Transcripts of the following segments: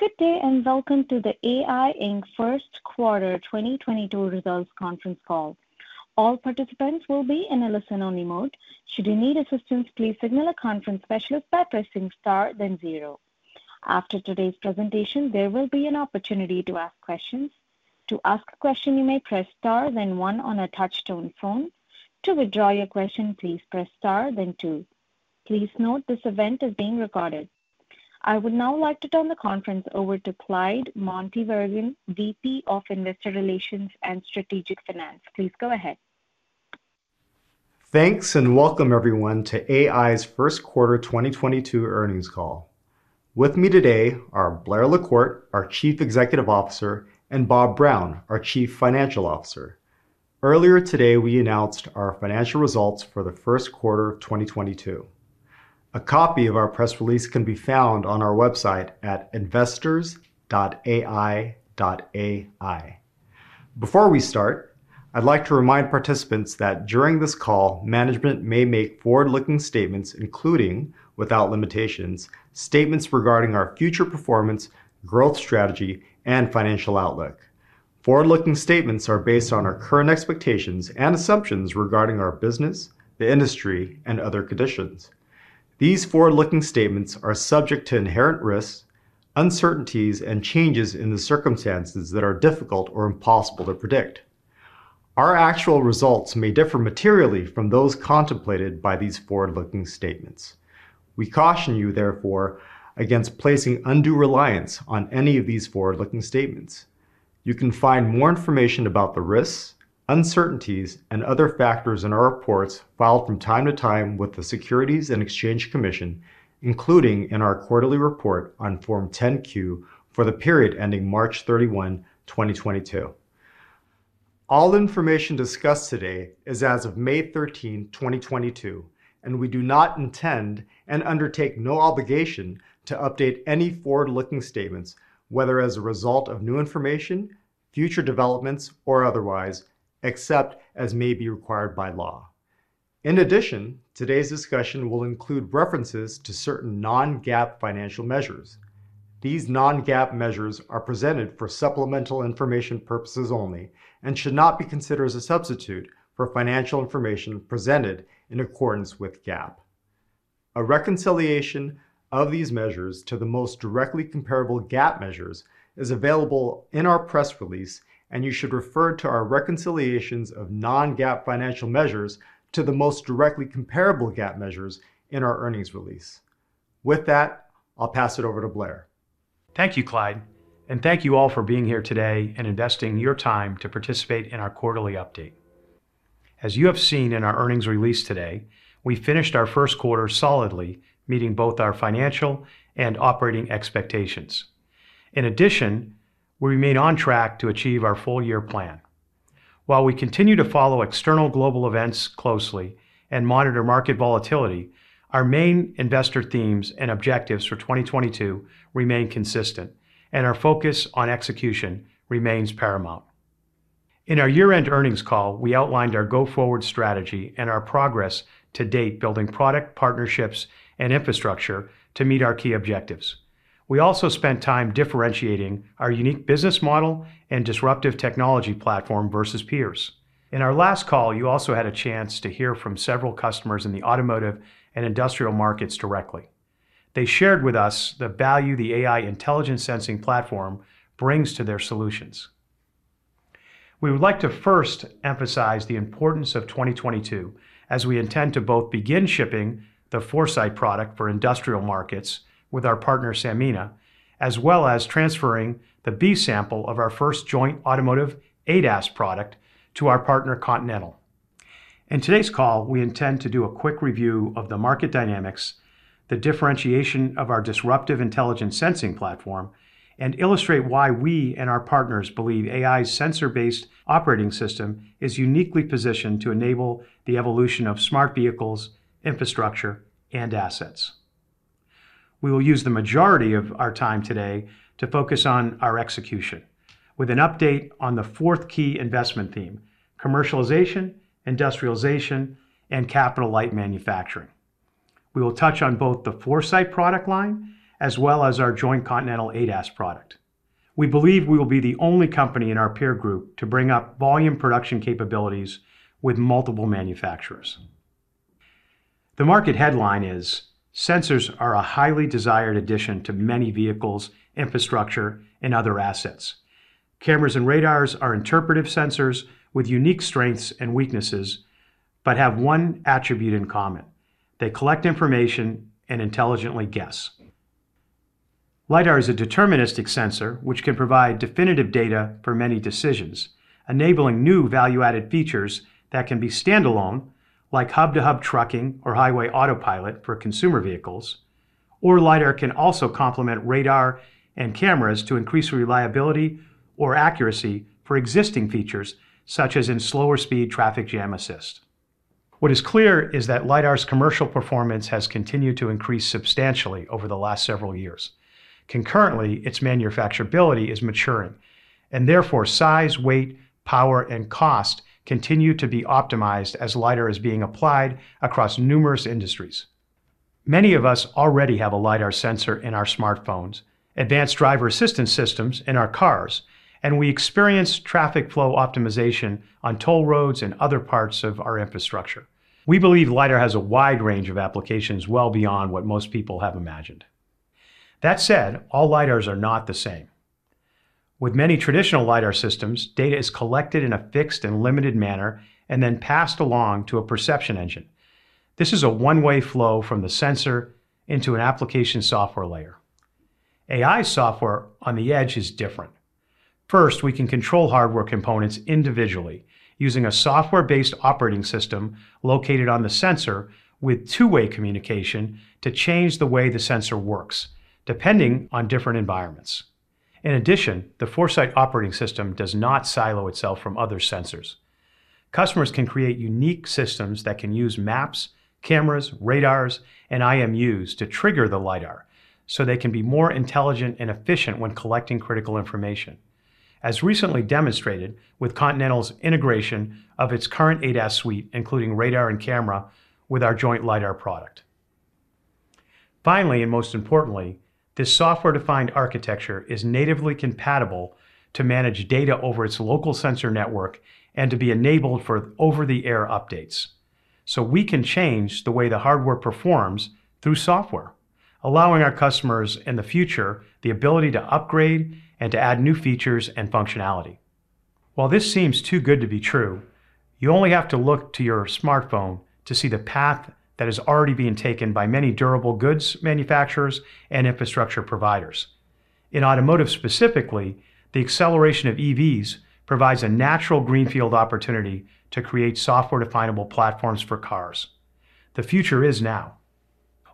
Good day, and welcome to the AEye Inc. first quarter 2022 results conference call. All participants will be in a listen-only mode. Should you need assistance, please signal a conference specialist by pressing Star then Zero. After today's presentation, there will be an opportunity to ask questions. To ask a question, you may press star then one on a touch-tone phone. To withdraw your question, please press star then two. Please note this event is being recorded. I would now like to turn the conference over to Clyde Montevirgen, VP of Investor Relations and Strategic Finance. Please go ahead. Thanks and welcome everyone to AEye first quarter 2022 earnings call. With me today are Blair LaCorte, our Chief Executive Officer, and Bob Brown, our Chief Financial Officer. Earlier today, we announced our financial results for the first quarter of 2022. A copy of our press release can be found on our website at investors.aeye.ai. Before we start, I'd like to remind participants that during this call, management may make forward-looking statements, including, without limitations, statements regarding our future performance, growth strategy, and financial outlook. Forward-looking statements are based on our current expectations and assumptions regarding our business, the industry, and other conditions. These forward-looking statements are subject to inherent risks, uncertainties, and changes in the circumstances that are difficult or impossible to predict. Our actual results may differ materially from those contemplated by these forward-looking statements. We caution you, therefore, against placing undue reliance on any of these forward-looking statements. You can find more information about the risks, uncertainties, and other factors in our reports filed from time to time with the Securities and Exchange Commission, including in our quarterly report on Form 10-Q for the period ending March 31, 2022. All information discussed today is as of May 13, 2022, and we do not intend and undertake no obligation to update any forward-looking statements, whether as a result of new information, future developments, or otherwise, except as may be required by law. In addition, today's discussion will include references to certain non-GAAP financial measures. These non-GAAP measures are presented for supplemental information purposes only and should not be considered as a substitute for financial information presented in accordance with GAAP. A reconciliation of these measures to the most directly comparable GAAP measures is available in our press release, and you should refer to our reconciliations of non-GAAP financial measures to the most directly comparable GAAP measures in our earnings release. With that, I'll pass it over to Blair. Thank you, Clyde, and thank you all for being here today and investing your time to participate in our quarterly update. As you have seen in our earnings release today, we finished our first quarter solidly, meeting both our financial and operating expectations. In addition, we remain on track to achieve our full year plan. While we continue to follow external global events closely and monitor market volatility, our main investor themes and objectives for 2022 remain consistent, and our focus on execution remains paramount. In our year-end earnings call, we outlined our go-forward strategy and our progress to date building product partnerships and infrastructure to meet our key objectives. We also spent time differentiating our unique business model and disruptive technology platform versus peers. In our last call, you also had a chance to hear from several customers in the automotive and industrial markets directly. They shared with us the value the AEye intelligent sensing platform brings to their solutions. We would like to first emphasize the importance of 2022 as we intend to both begin shipping the 4Sight product for industrial markets with our partner Sanmina, as well as transferring the B sample of our first joint automotive ADAS product to our partner Continental. In today's call, we intend to do a quick review of the market dynamics, the differentiation of our disruptive intelligent sensing platform, and illustrate why we and our partners believe AEye's sensor-based operating system is uniquely positioned to enable the evolution of smart vehicles, infrastructure, and assets. We will use the majority of our time today to focus on our execution with an update on the fourth key investment theme, commercialization, industrialization, and capital-light manufacturing. We will touch on both the 4Sight product line as well as our joint Continental ADAS product. We believe we will be the only company in our peer group to bring up volume production capabilities with multiple manufacturers. The market headline is sensors are a highly desired addition to many vehicles, infrastructure, and other assets. Cameras and radars are interpretive sensors with unique strengths and weaknesses, but have one attribute in common. They collect information and intelligently guess. LiDAR is a deterministic sensor which can provide definitive data for many decisions, enabling new value-added features that can be standalone, like hub-to-hub trucking or highway autopilot for consumer vehicles. LiDAR can also complement radar and cameras to increase reliability or accuracy for existing features, such as in slower speed traffic jam assist. What is clear is that LiDAR's commercial performance has continued to increase substantially over the last several years. Concurrently, its manufacturability is maturing, and therefore size, weight, power, and cost continue to be optimized as LiDAR is being applied across numerous industries. Many of us already have a LiDAR sensor in our smartphones, advanced driver assistance systems in our cars, and we experience traffic flow optimization on toll roads and other parts of our infrastructure. We believe LiDAR has a wide range of applications well beyond what most people have imagined. That said, all LiDARs are not the same. With many traditional LiDAR systems, data is collected in a fixed and limited manner and then passed along to a perception engine. This is a one-way flow from the sensor into an application software layer. AEye software on the edge is different. First, we can control hardware components individually using a software-based operating system located on the sensor with two-way communication to change the way the sensor works, depending on different environments. In addition, the 4Sight operating system does not silo itself from other sensors. Customers can create unique systems that can use maps, cameras, radars, and IMUs to trigger the LiDAR, so they can be more intelligent and efficient when collecting critical information. As recently demonstrated with Continental's integration of its current ADAS suite, including radar and camera, with our joint LiDAR product. Finally, and most importantly, this software-defined architecture is natively compatible to manage data over its local sensor network and to be enabled for over-the-air updates. We can change the way the hardware performs through software, allowing our customers in the future the ability to upgrade and to add new features and functionality. While this seems too good to be true, you only have to look to your smartphone to see the path that is already being taken by many durable goods manufacturers and infrastructure providers. In automotive specifically, the acceleration of EVs provides a natural greenfield opportunity to create software-definable platforms for cars. The future is now.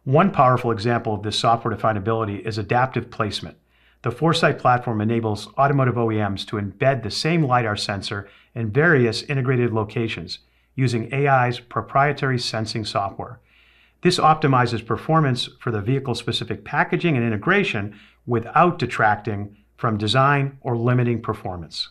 One powerful example of this software definability is adaptive placement. The 4Sight platform enables automotive OEMs to embed the same LiDAR sensor in various integrated locations using AEye's proprietary sensing software. This optimizes performance for the vehicle-specific packaging and integration without detracting from design or limiting performance.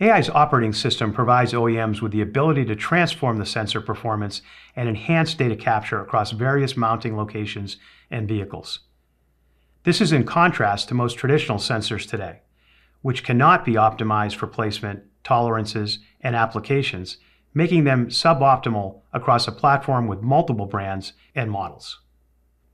AEye's operating system provides OEMs with the ability to transform the sensor performance and enhance data capture across various mounting locations and vehicles. This is in contrast to most traditional sensors today, which cannot be optimized for placement, tolerances, and applications, making them suboptimal across a platform with multiple brands and models.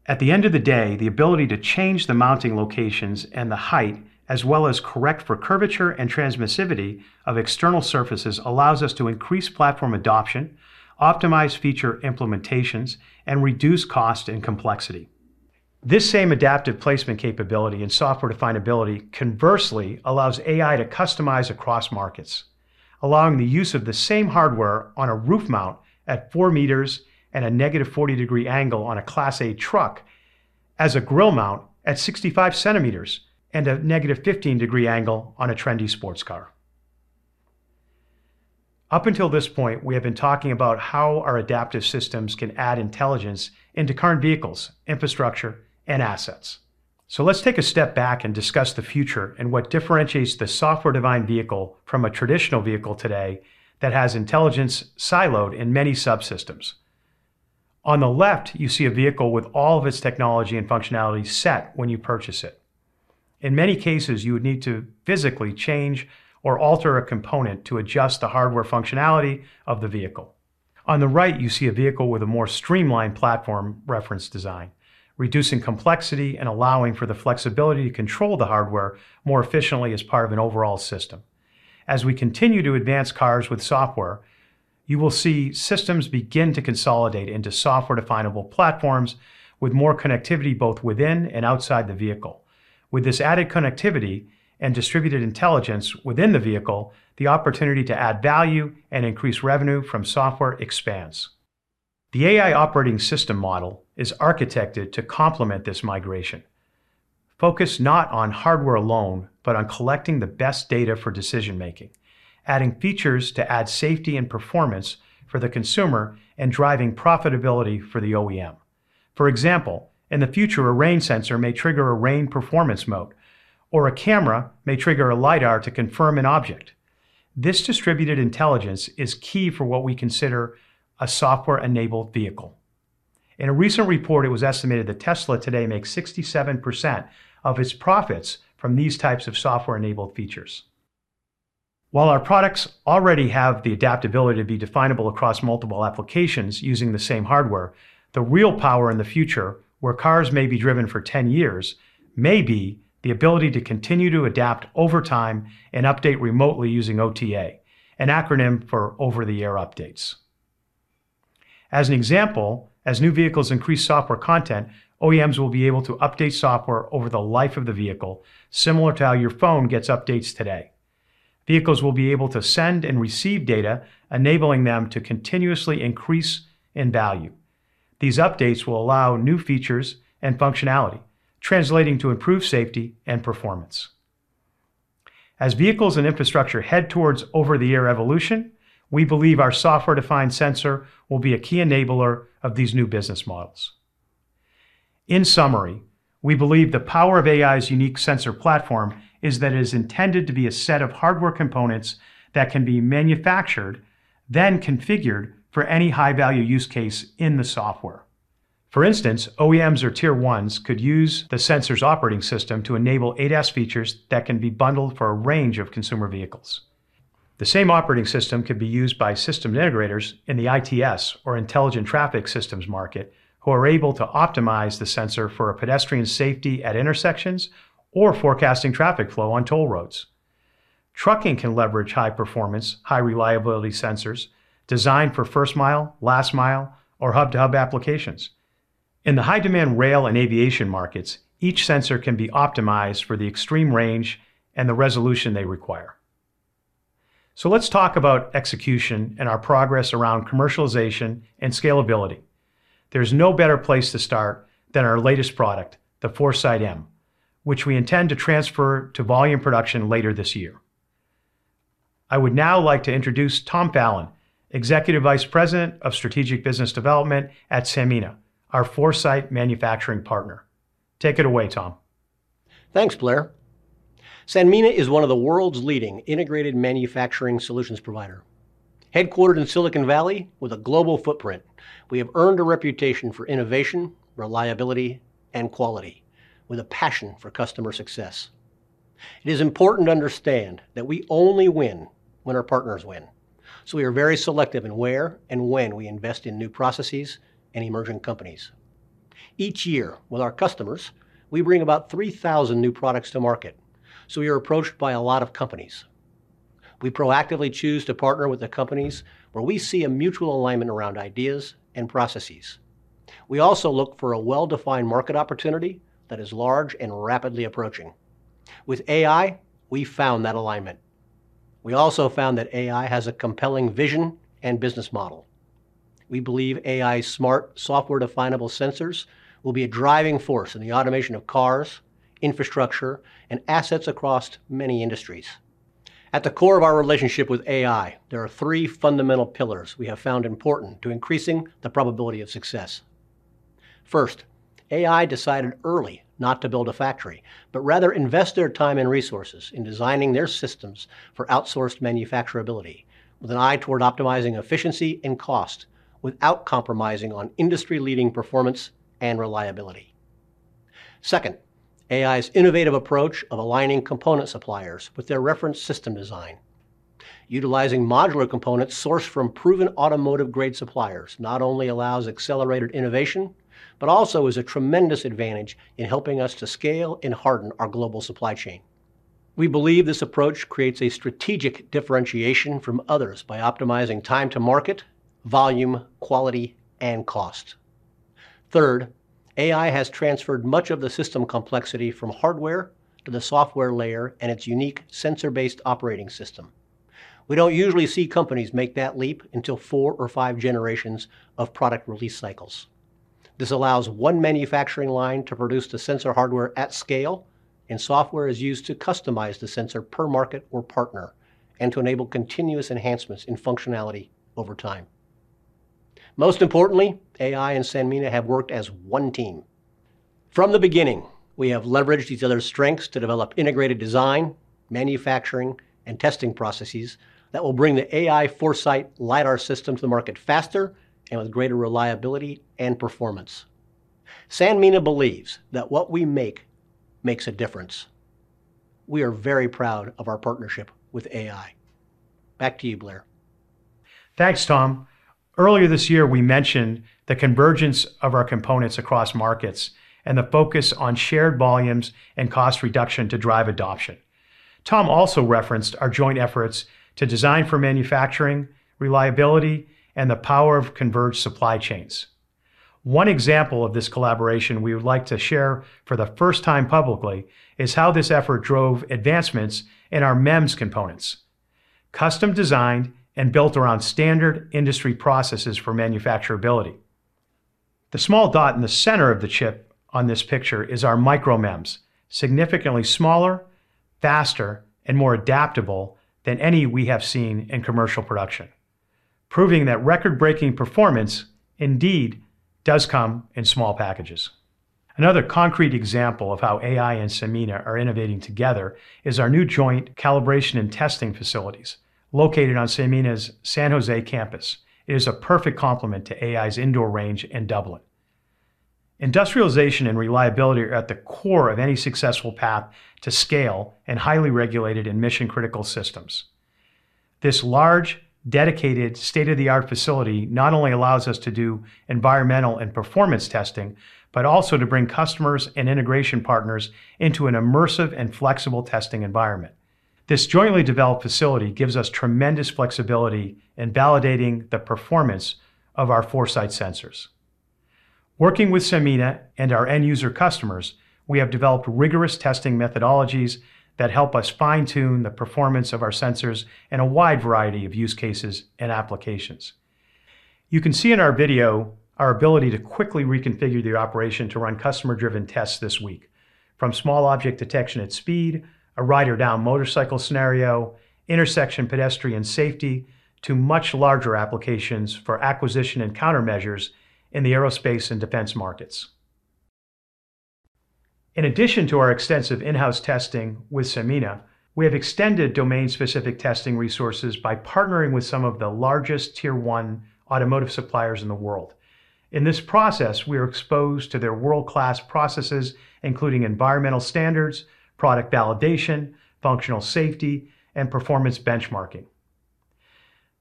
At the end of the day, the ability to change the mounting locations and the height, as well as correct for curvature and transmissivity of external surfaces, allows us to increase platform adoption, optimize feature implementations, and reduce cost and complexity. This same adaptive placement capability and software definability conversely allows AEye to customize across markets, allowing the use of the same hardware on a roof mount at four meters and a -40 degree angle on a Class A truck as a grill mount at 65 centimeters and a -15 degree angle on a trendy sports car. Up until this point, we have been talking about how our adaptive systems can add intelligence into current vehicles, infrastructure, and assets. Let's take a step back and discuss the future and what differentiates the software-defined vehicle from a traditional vehicle today that has intelligence siloed in many subsystems. On the left, you see a vehicle with all of its technology and functionality set when you purchase it. In many cases, you would need to physically change or alter a component to adjust the hardware functionality of the vehicle. On the right, you see a vehicle with a more streamlined platform reference design, reducing complexity and allowing for the flexibility to control the hardware more efficiently as part of an overall system. As we continue to advance cars with software, you will see systems begin to consolidate into software definable platforms with more connectivity both within and outside the vehicle. With this added connectivity and distributed intelligence within the vehicle, the opportunity to add value and increase revenue from software expands. The 4Sight operating system model is architected to complement this migration. Focus not on hardware alone, but on collecting the best data for decision making, adding features to add safety and performance for the consumer and driving profitability for the OEM. For example, in the future, a rain sensor may trigger a rain performance mode, or a camera may trigger a LiDAR to confirm an object. This distributed intelligence is key for what we consider a software-enabled vehicle. In a recent report, it was estimated that Tesla today makes 67% of its profits from these types of software-enabled features. While our products already have the adaptability to be definable across multiple applications using the same hardware, the real power in the future, where cars may be driven for 10 years, may be the ability to continue to adapt over time and update remotely using OTA, an acronym for over-the-air updates. As an example, as new vehicles increase software content, OEMs will be able to update software over the life of the vehicle, similar to how your phone gets updates today. Vehicles will be able to send and receive data, enabling them to continuously increase in value. These updates will allow new features and functionality, translating to improved safety and performance. As vehicles and infrastructure head towards over-the-air evolution, we believe our software-defined sensor will be a key enabler of these new business models. In summary, we believe the power of AEye's unique sensor platform is that it is intended to be a set of hardware components that can be manufactured, then configured for any high-value use case in the software. For instance, OEMs or Tier 1s could use the sensor's operating system to enable ADAS features that can be bundled for a range of consumer vehicles. The same operating system could be used by system integrators in the ITS, or intelligent traffic systems market, who are able to optimize the sensor for a pedestrian's safety at intersections or forecasting traffic flow on toll roads. Trucking can leverage high-performance, high-reliability sensors designed for first mile, last mile, or hub-to-hub applications. In the high-demand rail and aviation markets, each sensor can be optimized for the extreme range and the resolution they require. Let's talk about execution and our progress around commercialization and scalability. There's no better place to start than our latest product, the 4Sight M, which we intend to transfer to volume production later this year. I would now like to introduce Tom Fallon, Executive Vice President of Strategic Business Development at Sanmina, our 4Sight manufacturing partner. Take it away, Tom. Thanks, Blair. Sanmina is one of the world's leading integrated manufacturing solutions provider. Headquartered in Silicon Valley with a global footprint, we have earned a reputation for innovation, reliability, and quality with a passion for customer success. It is important to understand that we only win when our partners win, so we are very selective in where and when we invest in new processes and emerging companies. Each year with our customers, we bring about 3,000 new products to market, so we are approached by a lot of companies. We proactively choose to partner with the companies where we see a mutual alignment around ideas and processes. We also look for a well-defined market opportunity that is large and rapidly approaching. With AEye, we found that alignment. We also found that AEye has a compelling vision and business model. We believe AEye's smart software-definable sensors will be a driving force in the automation of cars, infrastructure, and assets across many industries. At the core of our relationship with AEye, there are three fundamental pillars we have found important to increasing the probability of success. First, AEye decided early not to build a factory, but rather invest their time and resources in designing their systems for outsourced manufacturability with an eye toward optimizing efficiency and cost without compromising on industry-leading performance and reliability. Second, AEye's innovative approach of aligning component suppliers with their reference system design. Utilizing modular components sourced from proven automotive-grade suppliers not only allows accelerated innovation, but also is a tremendous advantage in helping us to scale and harden our global supply chain. We believe this approach creates a strategic differentiation from others by optimizing time to market, volume, quality, and cost. Third, AEye has transferred much of the system complexity from hardware to the software layer and its unique sensor-based operating system. We don't usually see companies make that leap until four or five generations of product release cycles. This allows one manufacturing line to produce the sensor hardware at scale, and software is used to customize the sensor per market or partner, and to enable continuous enhancements in functionality over time. Most importantly, AEye and Sanmina have worked as one team. From the beginning, we have leveraged each other's strengths to develop integrated design, manufacturing, and testing processes that will bring the AEye 4Sight LiDAR system to the market faster and with greater reliability and performance. Sanmina believes that what we make makes a difference. We are very proud of our partnership with AEye. Back to you, Blair. Thanks, Tom. Earlier this year, we mentioned the convergence of our components across markets and the focus on shared volumes and cost reduction to drive adoption. Tom also referenced our joint efforts to design for manufacturing, reliability, and the power of converged supply chains. One example of this collaboration we would like to share for the first time publicly is how this effort drove advancements in our MEMS components, custom designed and built around standard industry processes for manufacturability. The small dot in the center of the chip on this picture is our micro MEMS, significantly smaller, faster, and more adaptable than any we have seen in commercial production, proving that record-breaking performance indeed does come in small packages. Another concrete example of how AEye and Sanmina are innovating together is our new joint calibration and testing facilities located on Sanmina's San Jose campus. It is a perfect complement to AEye's indoor range in Dublin. Industrialization and reliability are at the core of any successful path to scale in highly regulated and mission-critical systems. This large, dedicated, state-of-the-art facility not only allows us to do environmental and performance testing, but also to bring customers and integration partners into an immersive and flexible testing environment. This jointly developed facility gives us tremendous flexibility in validating the performance of our 4Sight sensors. Working with Sanmina and our end user customers, we have developed rigorous testing methodologies that help us fine-tune the performance of our sensors in a wide variety of use cases and applications. You can see in our video our ability to quickly reconfigure the operation to run customer-driven tests this week, from small object detection at speed, a rider down motorcycle scenario, intersection pedestrian safety, to much larger applications for acquisition and countermeasures in the aerospace and defense markets. In addition to our extensive in-house testing with Sanmina, we have extended domain-specific testing resources by partnering with some of the largest tier one automotive suppliers in the world. In this process, we are exposed to their world-class processes, including environmental standards, product validation, functional safety, and performance benchmarking.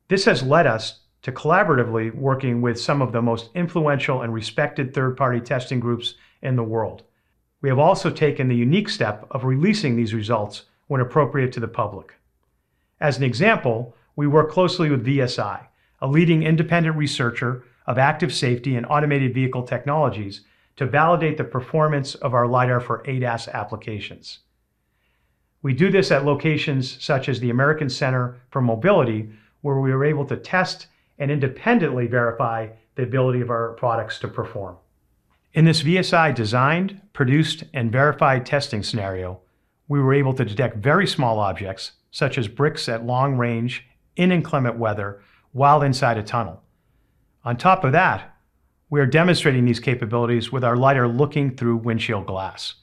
This has led us to collaboratively working with some of the most influential and respected third-party testing groups in the world. We have also taken the unique step of releasing these results when appropriate to the public. As an example, we work closely with VSI, a leading independent researcher of active safety and automated vehicle technologies, to validate the performance of our LiDAR for ADAS applications. We do this at locations such as the American Center for Mobility, where we are able to test and independently verify the ability of our products to perform. In this VSI-designed, produced, and verified testing scenario, we were able to detect very small objects, such as bricks at long range in inclement weather while inside a tunnel. On top of that, we are demonstrating these capabilities with our LiDAR looking through windshield glass,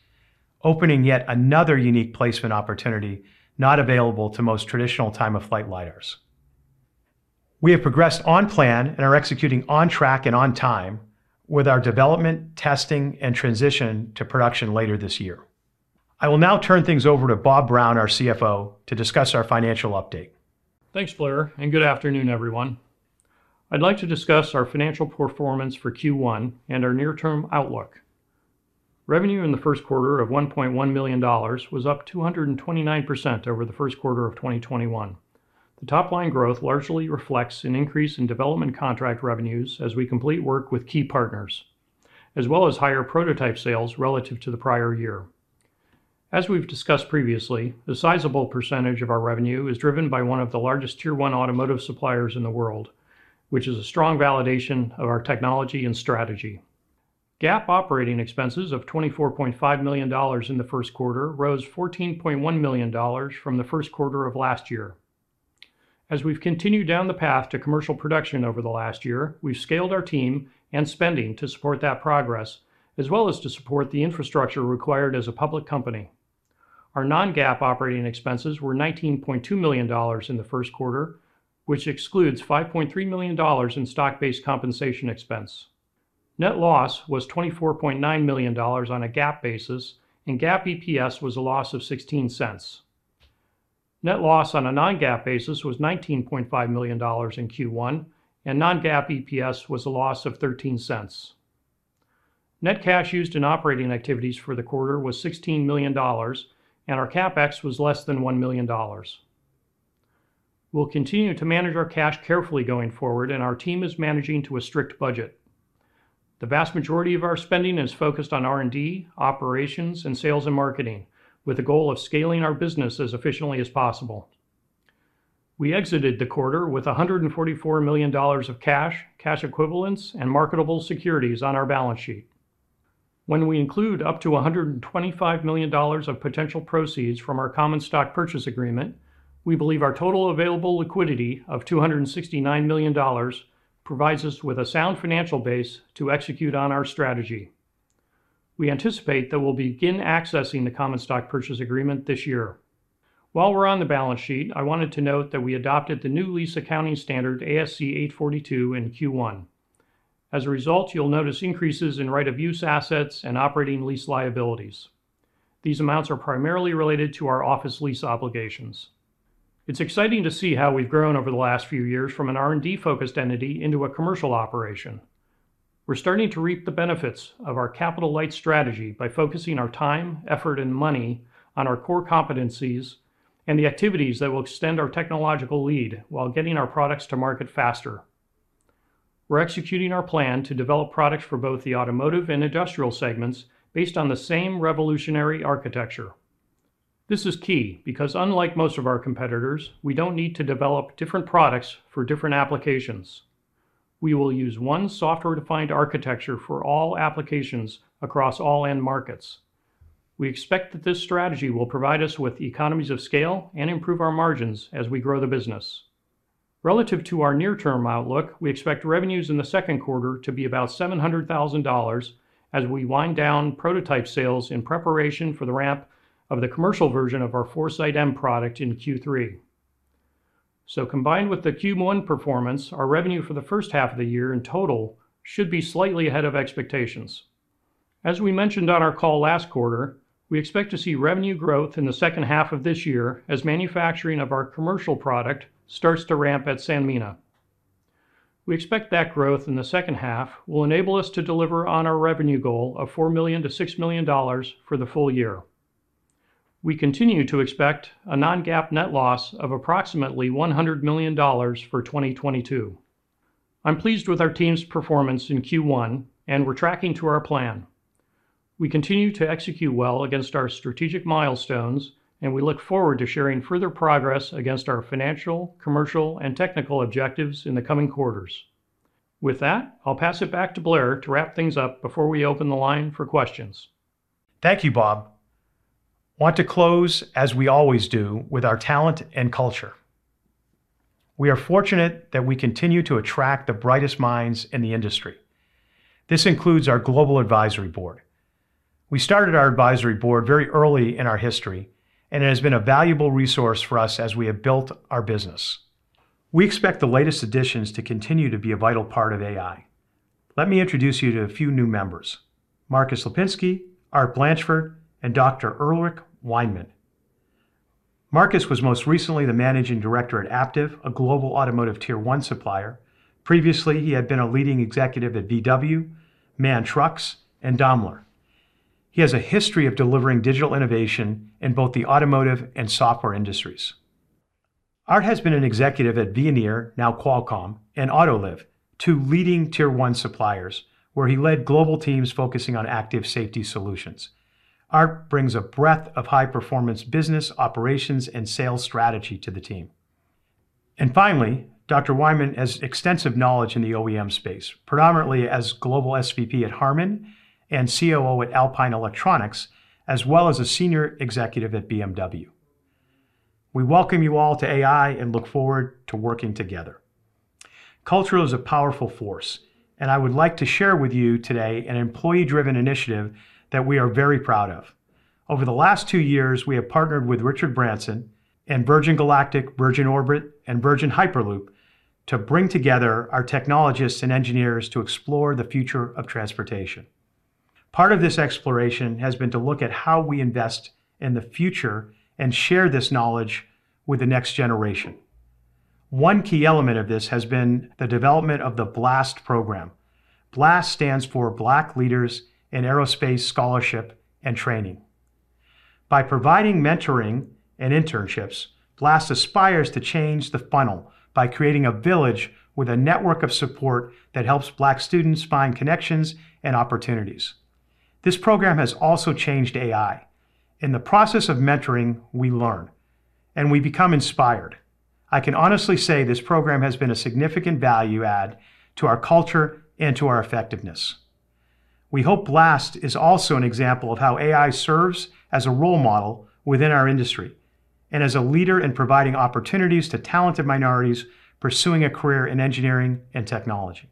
opening yet another unique placement opportunity not available to most traditional time-of-flight LiDARs. We have progressed on plan and are executing on track and on time with our development, testing, and transition to production later this year. I will now turn things over to Bob Brown, our CFO, to discuss our financial update. Thanks, Blair, and good afternoon, everyone. I'd like to discuss our financial performance for Q1 and our near-term outlook. Revenue in the first quarter of $1.1 million was up 229% over the first quarter of 2021. The top-line growth largely reflects an increase in development contract revenues as we complete work with key partners, as well as higher prototype sales relative to the prior year. As we've discussed previously, a sizable percentage of our revenue is driven by one of the largest tier one automotive suppliers in the world, which is a strong validation of our technology and strategy. GAAP operating expenses of $24.5 million in the first quarter rose $14.1 million from the first quarter of last year. We've continued down the path to commercial production over the last year. We've scaled our team and spending to support that progress, as well as to support the infrastructure required as a public company. Our non-GAAP operating expenses were $19.2 million in the first quarter, which excludes $5.3 million in stock-based compensation expense. Net loss was $24.9 million on a GAAP basis, and GAAP EPS was a loss of $0.16. Net loss on a non-GAAP basis was $19.5 million in Q1, and non-GAAP EPS was a loss of $0.13. Net cash used in operating activities for the quarter was $16 million, and our CapEx was less than $1 million. We'll continue to manage our cash carefully going forward, and our team is managing to a strict budget. The vast majority of our spending is focused on R&D, operations, and sales and marketing, with the goal of scaling our business as efficiently as possible. We exited the quarter with $144 million of cash equivalents, and marketable securities on our balance sheet. When we include up to $125 million of potential proceeds from our common stock purchase agreement, we believe our total available liquidity of $269 million provides us with a sound financial base to execute on our strategy. We anticipate that we'll begin accessing the common stock purchase agreement this year. While we're on the balance sheet, I wanted to note that we adopted the new lease accounting standard ASC 842 in Q1. As a result, you'll notice increases in right-of-use assets and operating lease liabilities. These amounts are primarily related to our office lease obligations. It's exciting to see how we've grown over the last few years from an R&D-focused entity into a commercial operation. We're starting to reap the benefits of our capital-light strategy by focusing our time, effort, and money on our core competencies and the activities that will extend our technological lead while getting our products to market faster. We're executing our plan to develop products for both the automotive and industrial segments based on the same revolutionary architecture. This is key because unlike most of our competitors, we don't need to develop different products for different applications. We will use one software-defined architecture for all applications across all end markets. We expect that this strategy will provide us with the economies of scale and improve our margins as we grow the business. Relative to our near-term outlook, we expect revenues in the second quarter to be about $700,000 as we wind down prototype sales in preparation for the ramp of the commercial version of our 4Sight M product in Q3. Combined with the Q1 performance, our revenue for the first half of the year in total should be slightly ahead of expectations. As we mentioned on our call last quarter, we expect to see revenue growth in the second half of this year as manufacturing of our commercial product starts to ramp at Sanmina. We expect that growth in the second half will enable us to deliver on our revenue goal of $4 million-$6 million for the full year. We continue to expect a non-GAAP net loss of approximately $100 million for 2022. I'm pleased with our team's performance in Q1, and we're tracking to our plan. We continue to execute well against our strategic milestones, and we look forward to sharing further progress against our financial, commercial, and technical objectives in the coming quarters. With that, I'll pass it back to Blair to wrap things up before we open the line for questions. Thank you, Bob. Want to close as we always do with our talent and culture. We are fortunate that we continue to attract the brightest minds in the industry. This includes our global advisory board. We started our advisory board very early in our history, and it has been a valuable resource for us as we have built our business. We expect the latest additions to continue to be a vital part of AEye. Let me introduce you to a few new members, Markus Lippitsch, Art Blanchford, and Dr. Ulrich Weinmann. Markus was most recently the managing director at Aptiv, a global automotive tier one supplier. Previously, he had been a leading executive at VW, MAN Truck & Bus, and Daimler. He has a history of delivering digital innovation in both the automotive and software industries. Art Blanchford has been an executive at Veoneer, now Qualcomm, and Autoliv, two leading tier one suppliers, where he led global teams focusing on active safety solutions. Art Blanchford brings a breadth of high-performance business, operations, and sales strategy to the team. Finally, Dr. Ulrich Weinmann has extensive knowledge in the OEM space, predominantly as global SVP at HARMAN and COO at Alpine Electronics, as well as a senior executive at BMW. We welcome you all to AEye and look forward to working together. Culture is a powerful force, and I would like to share with you today an employee-driven initiative that we are very proud of. Over the last two years, we have partnered with Richard Branson and Virgin Galactic, Virgin Orbit, and Virgin Hyperloop to bring together our technologists and engineers to explore the future of transportation. Part of this exploration has been to look at how we invest in the future and share this knowledge with the next generation. One key element of this has been the development of the BLAST program. BLAST stands for Black Leaders in Aerospace Scholarship and Training. By providing mentoring and internships, BLAST aspires to change the funnel by creating a village with a network of support that helps Black students find connections and opportunities. This program has also changed AEye. In the process of mentoring, we learn and we become inspired. I can honestly say this program has been a significant value add to our culture and to our effectiveness. We hope BLAST is also an example of how AEye serves as a role model within our industry and as a leader in providing opportunities to talented minorities pursuing a career in engineering and technology.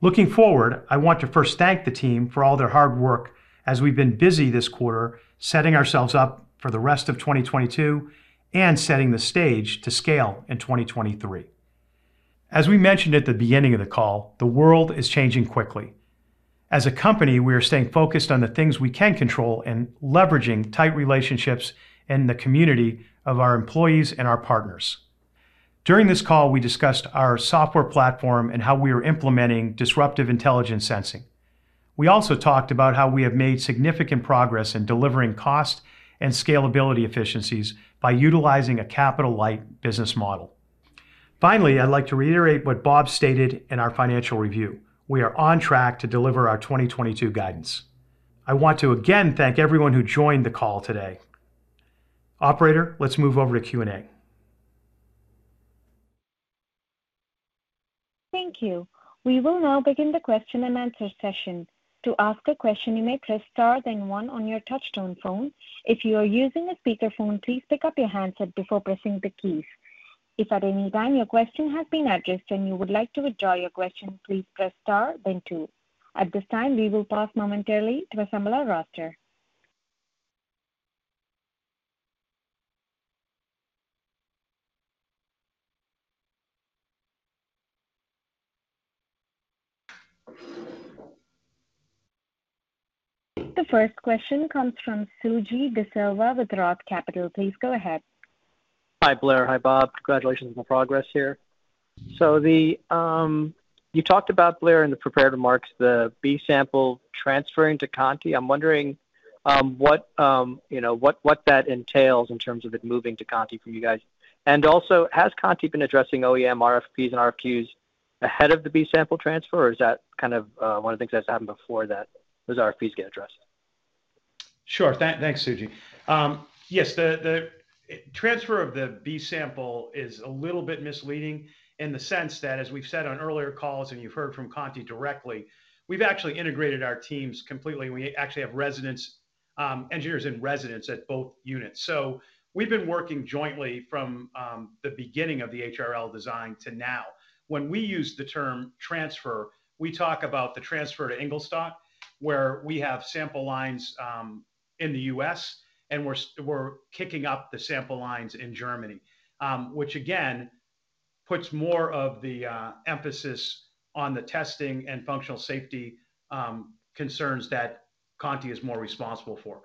Looking forward, I want to first thank the team for all their hard work as we've been busy this quarter setting ourselves up for the rest of 2022 and setting the stage to scale in 2023. As we mentioned at the beginning of the call, the world is changing quickly. As a company, we are staying focused on the things we can control and leveraging tight relationships in the community of our employees and our partners. During this call, we discussed our software platform and how we are implementing disruptive intelligence sensing. We also talked about how we have made significant progress in delivering cost and scalability efficiencies by utilizing a capital-light business model. Finally, I'd like to reiterate what Bob stated in our financial review. We are on track to deliver our 2022 guidance. I want to again thank everyone who joined the call today. Operator, let's move over to Q&A. Thank you. We will now begin the question and answer session. To ask a question, you may press star then one on your touchtone phone. If you are using a speakerphone, please pick up your handset before pressing the keys. If at any time your question has been addressed and you would like to withdraw your question, please press star then two. At this time, we will pause momentarily to assemble our roster. The first question comes from Suji Desilva with Roth Capital. Please go ahead. Hi, Blair. Hi, Bob. Congratulations on the progress here. You talked about, Blair, in the prepared remarks, the B sample transferring to Conti. I'm wondering, you know, what that entails in terms of it moving to Conti for you guys. Also, has Conti been addressing OEM RFPs and RFQs ahead of the B sample transfer, or is that kind of one of the things that's happened before that those RFPs get addressed? Sure. Thanks, Suji. Yes, the transfer of the B sample is a little bit misleading in the sense that, as we've said on earlier calls and you've heard from Conti directly, we've actually integrated our teams completely, and we actually have resident engineers and residents at both units. We've been working jointly from the beginning of the HRL design to now. When we use the term transfer, we talk about the transfer to Ingolstadt, where we have sample lines in the US, and we're kicking up the sample lines in Germany, which again puts more of the emphasis on the testing and functional safety concerns that Conti is more responsible for.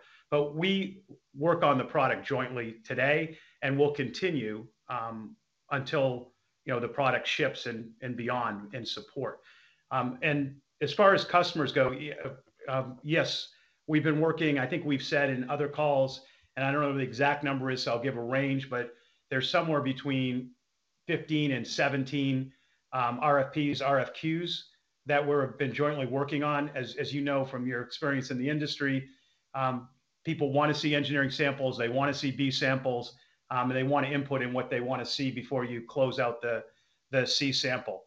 We work on the product jointly today and will continue until, you know, the product ships and beyond in support. As far as customers go, yes, we've been working. I think we've said in other calls, and I don't know what the exact number is, so I'll give a range, but there's somewhere between 15 and 17 RFPs, RFQs that we have been jointly working on. As you know from your experience in the industry, people wanna see engineering samples, they wanna see B samples, and they want input in what they wanna see before you close out the C sample.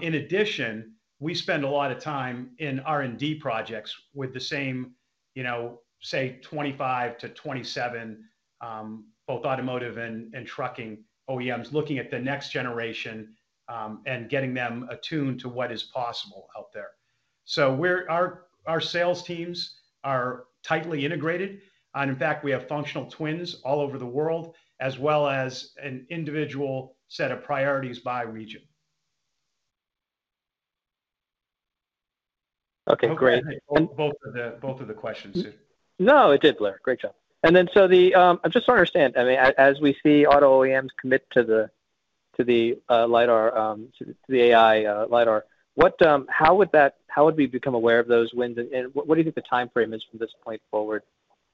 In addition, we spend a lot of time in R&D projects with the same You know, say 25 to 27, both automotive and trucking OEMs looking at the next generation, and getting them attuned to what is possible out there. Our sales teams are tightly integrated, and in fact, we have functional twins all over the world, as well as an individual set of priorities by region. Okay, great. Hope I hit both of the questions there. No, it did, Blair. Great job. I just don't understand. I mean, as we see auto OEMs commit to the LiDAR to the AEye LiDAR, how would we become aware of those wins? What do you think the timeframe is from this point forward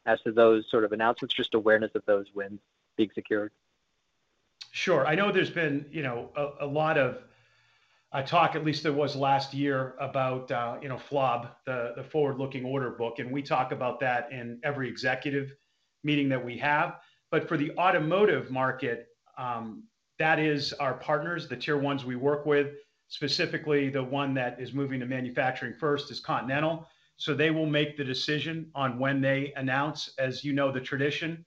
as to those sort of announcements, just awareness of those wins being secured? Sure. I know there's been, you know, a lot of talk, at least there was last year, about, you know, FLOB, the forward-looking order book, and we talk about that in every executive meeting that we have. For the automotive market, that is our partners, the tier ones we work with, specifically the one that is moving to manufacturing first is Continental. They will make the decision on when they announce. As you know, the tradition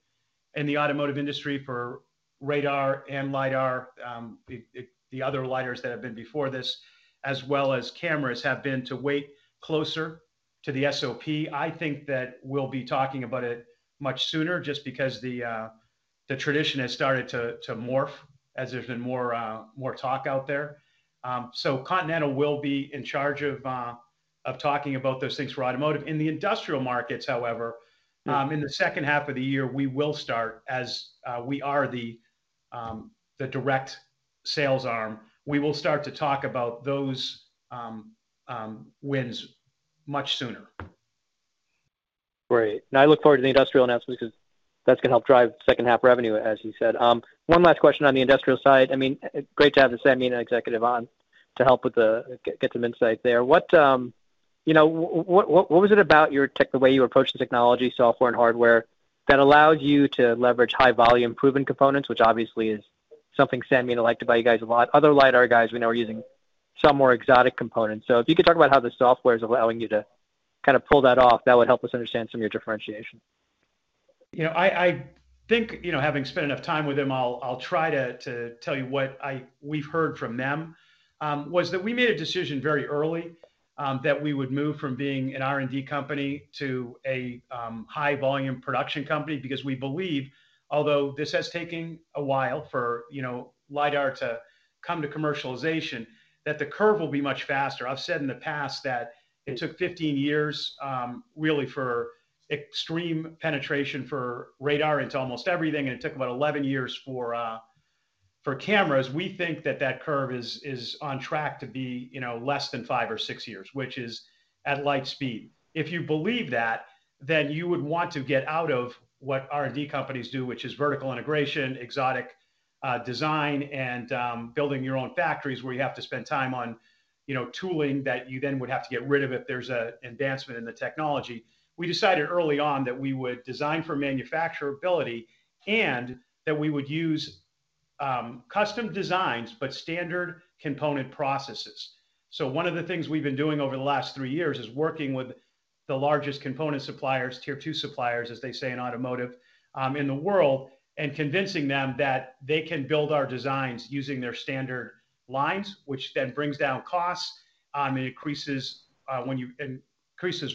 in the automotive industry for radar and LiDAR, the other LiDARs that have been before this, as well as cameras, have been to wait closer to the SOP. I think that we'll be talking about it much sooner just because the tradition has started to morph as there's been more talk out there. Continental will be in charge of talking about those things for automotive. In the industrial markets, however. Mm-hmm In the second half of the year, we will start, as we are the direct sales arm. We will start to talk about those wins much sooner. Great. I look forward to the industrial announcement because that's gonna help drive second half revenue, as you said. One last question on the industrial side. I mean, great to have the Sanmina executive on to help get some insight there. What, you know, what was it about your tech, the way you approach the technology software and hardware that allows you to leverage high volume proven components, which obviously is something Sanmina liked about you guys a lot. Other LiDAR guys we know are using some more exotic components. If you could talk about how the software is allowing you to kind of pull that off, that would help us understand some of your differentiation. You know, I think, you know, having spent enough time with them, I'll try to tell you what we've heard from them was that we made a decision very early that we would move from being an R&D company to a high volume production company because we believe, although this has taken a while for, you know, LiDAR to come to commercialization, that the curve will be much faster. I've said in the past that it took 15 years really for extreme penetration for radar into almost everything, and it took about 11 years for cameras. We think that curve is on track to be, you know, less than five or six years, which is at light speed. If you believe that, then you would want to get out of what R&D companies do, which is vertical integration, exotic design, and building your own factories where you have to spend time on, you know, tooling that you then would have to get rid of if there's a advancement in the technology. We decided early on that we would design for manufacturability and that we would use custom designs but standard component processes. One of the things we've been doing over the last three years is working with the largest component suppliers, tier two suppliers, as they say in automotive, in the world, and convincing them that they can build our designs using their standard lines, which then brings down costs and increases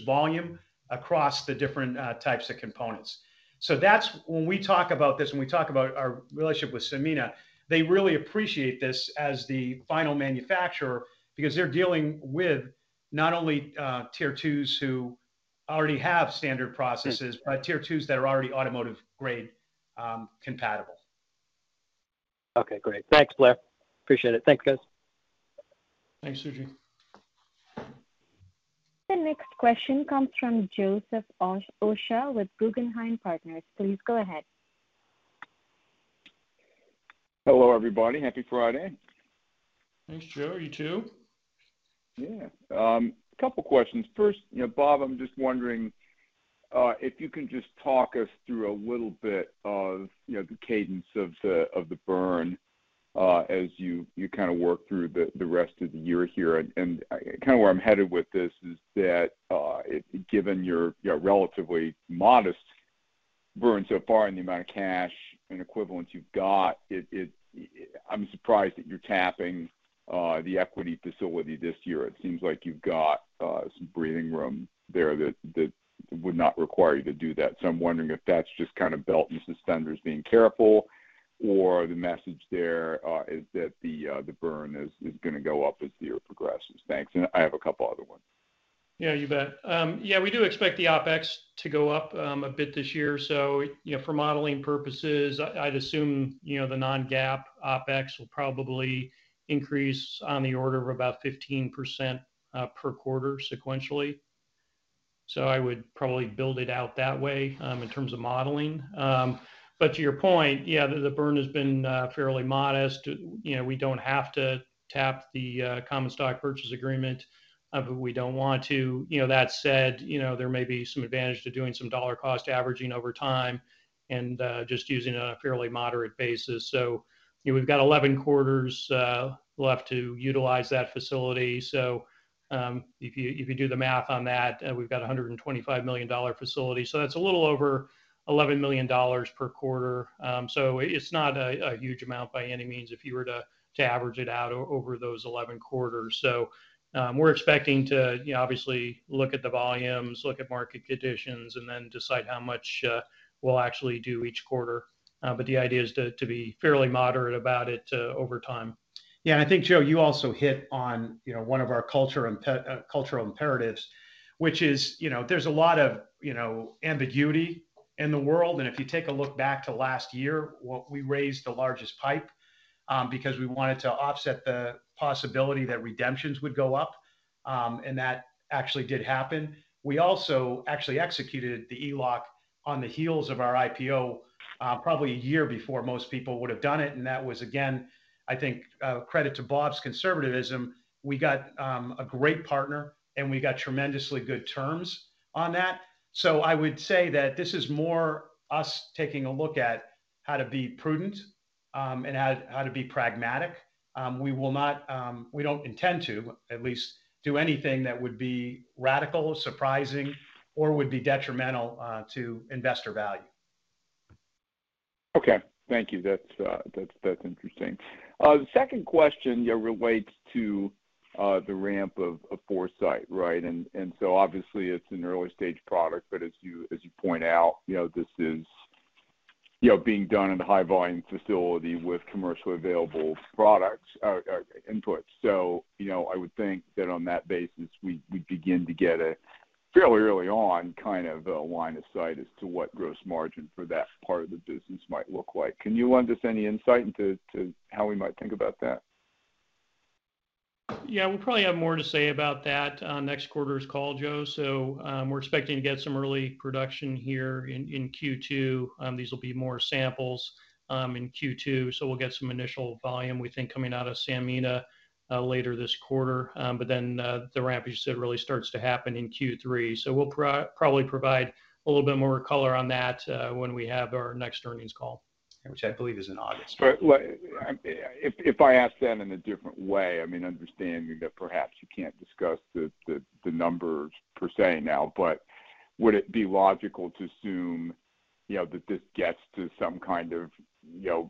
volume across the different types of components. That's... When we talk about this and we talk about our relationship with Sanmina, they really appreciate this as the final manufacturer because they're dealing with not only tier twos who already have standard processes. Mm-hmm Tier twos that are already automotive-grade, compatible. Okay, great. Thanks, Blair. Appreciate it. Thanks, guys. Thanks, Suji. The next question comes from Joseph Osha with Guggenheim Partners. Please go ahead. Hello, everybody. Happy Friday. Thanks, Joe. You too? Yeah. Couple questions. First, you know, Bob, I'm just wondering if you can just talk us through a little bit of, you know, the cadence of the burn as you kind of work through the rest of the year here. And kind of where I'm headed with this is that, given your relatively modest burn so far and the amount of cash and equivalents you've got, it. I'm surprised that you're tapping the equity facility this year. It seems like you've got some breathing room there that would not require you to do that. I'm wondering if that's just kind of belt and suspenders being careful, or the message there is that the burn is gonna go up as the year progresses. Thanks. I have a couple other ones. Yeah, you bet. Yeah, we do expect the OpEx to go up, a bit this year. You know, for modeling purposes, I'd assume, you know, the non-GAAP OpEx will probably increase on the order of about 15%, per quarter sequentially. I would probably build it out that way, in terms of modeling. To your point, yeah, the burn has been, fairly modest. You know, we don't have to tap the, common stock purchase agreement, but we don't want to. You know, that said, you know, there may be some advantage to doing some dollar cost averaging over time and, just using a fairly moderate basis. You know, we've got 11 quarters, left to utilize that facility. If you do the math on that, we've got a $125 million facility. That's a little over $11 million per quarter. It's not a huge amount by any means if you were to average it out over those 11 quarters. We're expecting to, you know, obviously look at the volumes, look at market conditions, and then decide how much we'll actually do each quarter. The idea is to be fairly moderate about it over time. Yeah, I think, Joe, you also hit on, you know, one of our cultural imperatives, which is, you know, there's a lot of, you know, ambiguity in the world. If you take a look back to last year, we raised the largest PIPE, because we wanted to offset the possibility that redemptions would go up, and that actually did happen. We also actually executed the ELOC on the heels of our IPO, probably a year before most people would have done it, and that was, again, I think, credit to Bob's conservatism. We got a great partner, and we got tremendously good terms on that. I would say that this is more us taking a look at how to be prudent, and how to be pragmatic. We will not, we don't intend to, at least, do anything that would be radical, surprising, or would be detrimental to investor value. Okay. Thank you. That's interesting. The second question, you know, relates to the ramp of 4Sight, right? Obviously it's an early-stage product, but as you point out, you know, this is, you know, being done in a high-volume facility with commercially available products inputs. So, you know, I would think that on that basis, we begin to get a fairly early on kind of a line of sight as to what gross margin for that part of the business might look like. Can you lend us any insight into how we might think about that? Yeah. We'll probably have more to say about that on next quarter's call, Joe. We're expecting to get some early production here in Q2. These will be more samples in Q2, so we'll get some initial volume, we think, coming out of Sanmina later this quarter. The ramp, as you said, really starts to happen in Q3. We'll probably provide a little bit more color on that when we have our next earnings call. Which I believe is in August. If I ask that in a different way, I mean, understanding that perhaps you can't discuss the numbers per se now, but would it be logical to assume, you know, that this gets to some kind of, you know,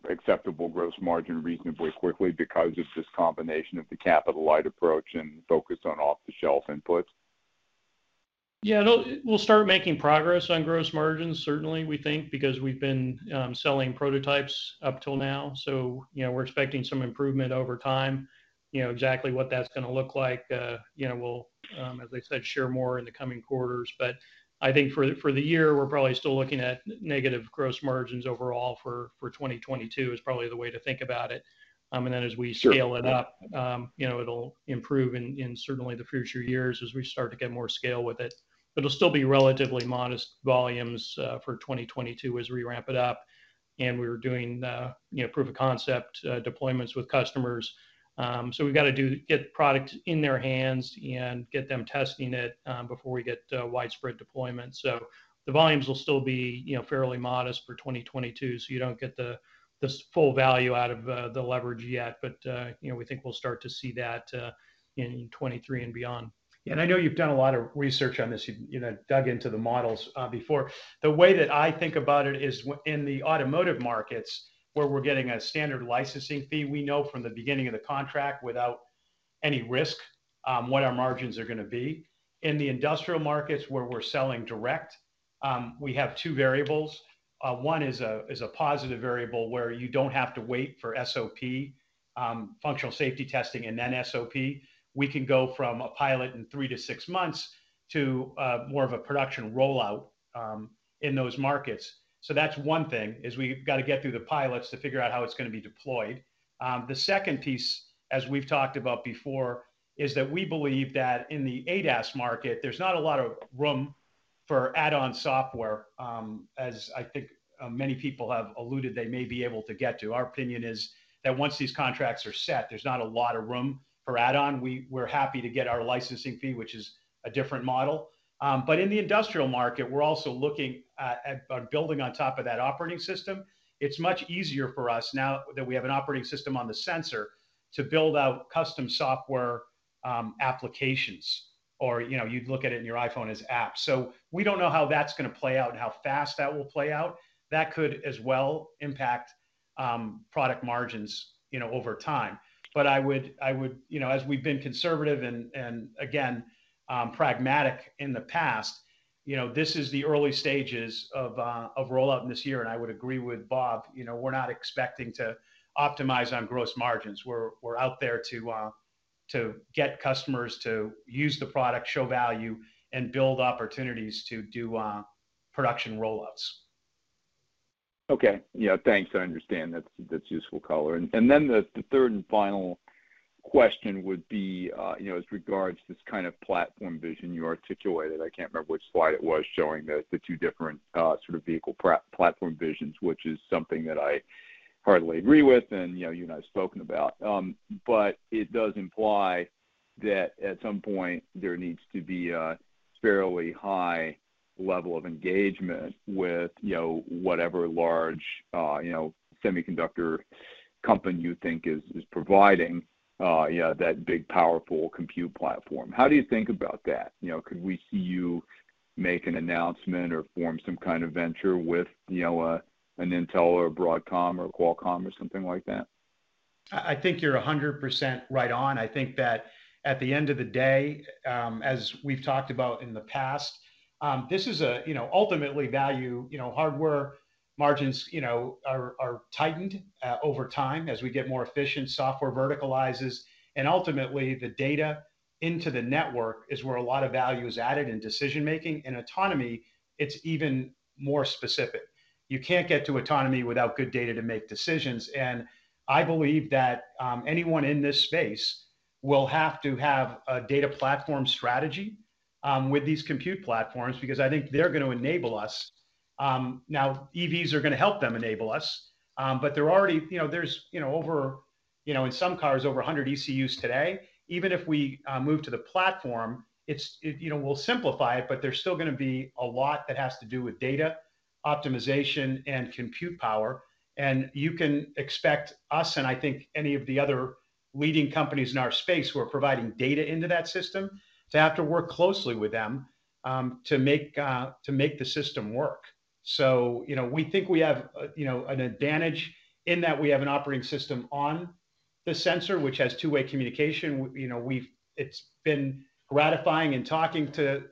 acceptable gross margin reasonably quickly because it's this combination of the capital-light approach and focus on off-the-shelf inputs? Yeah. We'll start making progress on gross margins certainly, we think, because we've been selling prototypes up till now. You know, we're expecting some improvement over time. You know, exactly what that's gonna look like, you know, we'll, as I said, share more in the coming quarters. I think for the year, we're probably still looking at negative gross margins overall for 2022 is probably the way to think about it. As we scale it up- Sure You know, it'll improve in certainly the future years as we start to get more scale with it. It'll still be relatively modest volumes for 2022 as we ramp it up, and we're doing you know, proof of concept deployments with customers. We've gotta get product in their hands and get them testing it before we get widespread deployment. The volumes will still be you know, fairly modest for 2022, so you don't get the full value out of the leverage yet. You know, we think we'll start to see that in 2023 and beyond. I know you've done a lot of research on this. You've, you know, dug into the models before. The way that I think about it is in the automotive markets where we're getting a standard licensing fee, we know from the beginning of the contract without any risk what our margins are gonna be. In the industrial markets where we're selling direct, we have two variables. One is a positive variable where you don't have to wait for SOP functional safety testing and then SOP. We can go from a pilot in three to six months to more of a production rollout in those markets. That's one thing, we've gotta get through the pilots to figure out how it's gonna be deployed. The second piece, as we've talked about before, is that we believe that in the ADAS market, there's not a lot of room for add-on software, as I think, many people have alluded they may be able to get to. Our opinion is that once these contracts are set, there's not a lot of room for add-on. We're happy to get our licensing fee, which is a different model. In the industrial market, we're also looking at on building on top of that operating system. It's much easier for us now that we have an operating system on the sensor to build out custom software, applications, or, you know, you'd look at it in your iPhone as apps. We don't know how that's gonna play out and how fast that will play out. That could as well impact product margins, you know, over time. I would. You know, as we've been conservative and again pragmatic in the past, you know, this is the early stages of rollout this year. I would agree with Bob, you know, we're not expecting to optimize on gross margins. We're out there to get customers to use the product, show value, and build opportunities to do production rollouts. Okay. Yeah. Thanks. I understand. That's useful color. Then the third and final question would be, you know, as regards this kind of platform vision you articulated, I can't remember which slide it was showing the two different sort of vehicle platform visions, which is something that I heartily agree with and, you know, you and I have spoken about. But it does imply that at some point, there needs to be a fairly high-level of engagement with, you know, whatever large, you know, semiconductor company you think is providing, you know, that big, powerful compute platform. How do you think about that? You know, could we see you make an announcement or form some kind of venture with, you know, an Intel or a Broadcom or a Qualcomm or something like that? I think you're 100% right on. I think that at the end of the day, as we've talked about in the past, this is, you know, ultimately value, you know, hardware margins, you know, are tightened over time as we get more efficient. Software verticalizes, and ultimately the data into the network is where a lot of value is added in decision-making. In autonomy, it's even more specific. You can't get to autonomy without good data to make decisions, and I believe that anyone in this space will have to have a data platform strategy with these compute platforms because I think they're gonna enable us. Now EVs are gonna help them enable us, but there are already. You know, there's, you know, over, you know, in some cars over 100 ECUs today. Even if we move to the platform, it's you know we'll simplify it, but there's still gonna be a lot that has to do with data optimization and compute power. You can expect us, and I think any of the other leading companies in our space who are providing data into that system, to have to work closely with them, to make the system work. You know, we think we have you know an advantage in that we have an operating system on the sensor, which has two-way communication. It's been gratifying in talking to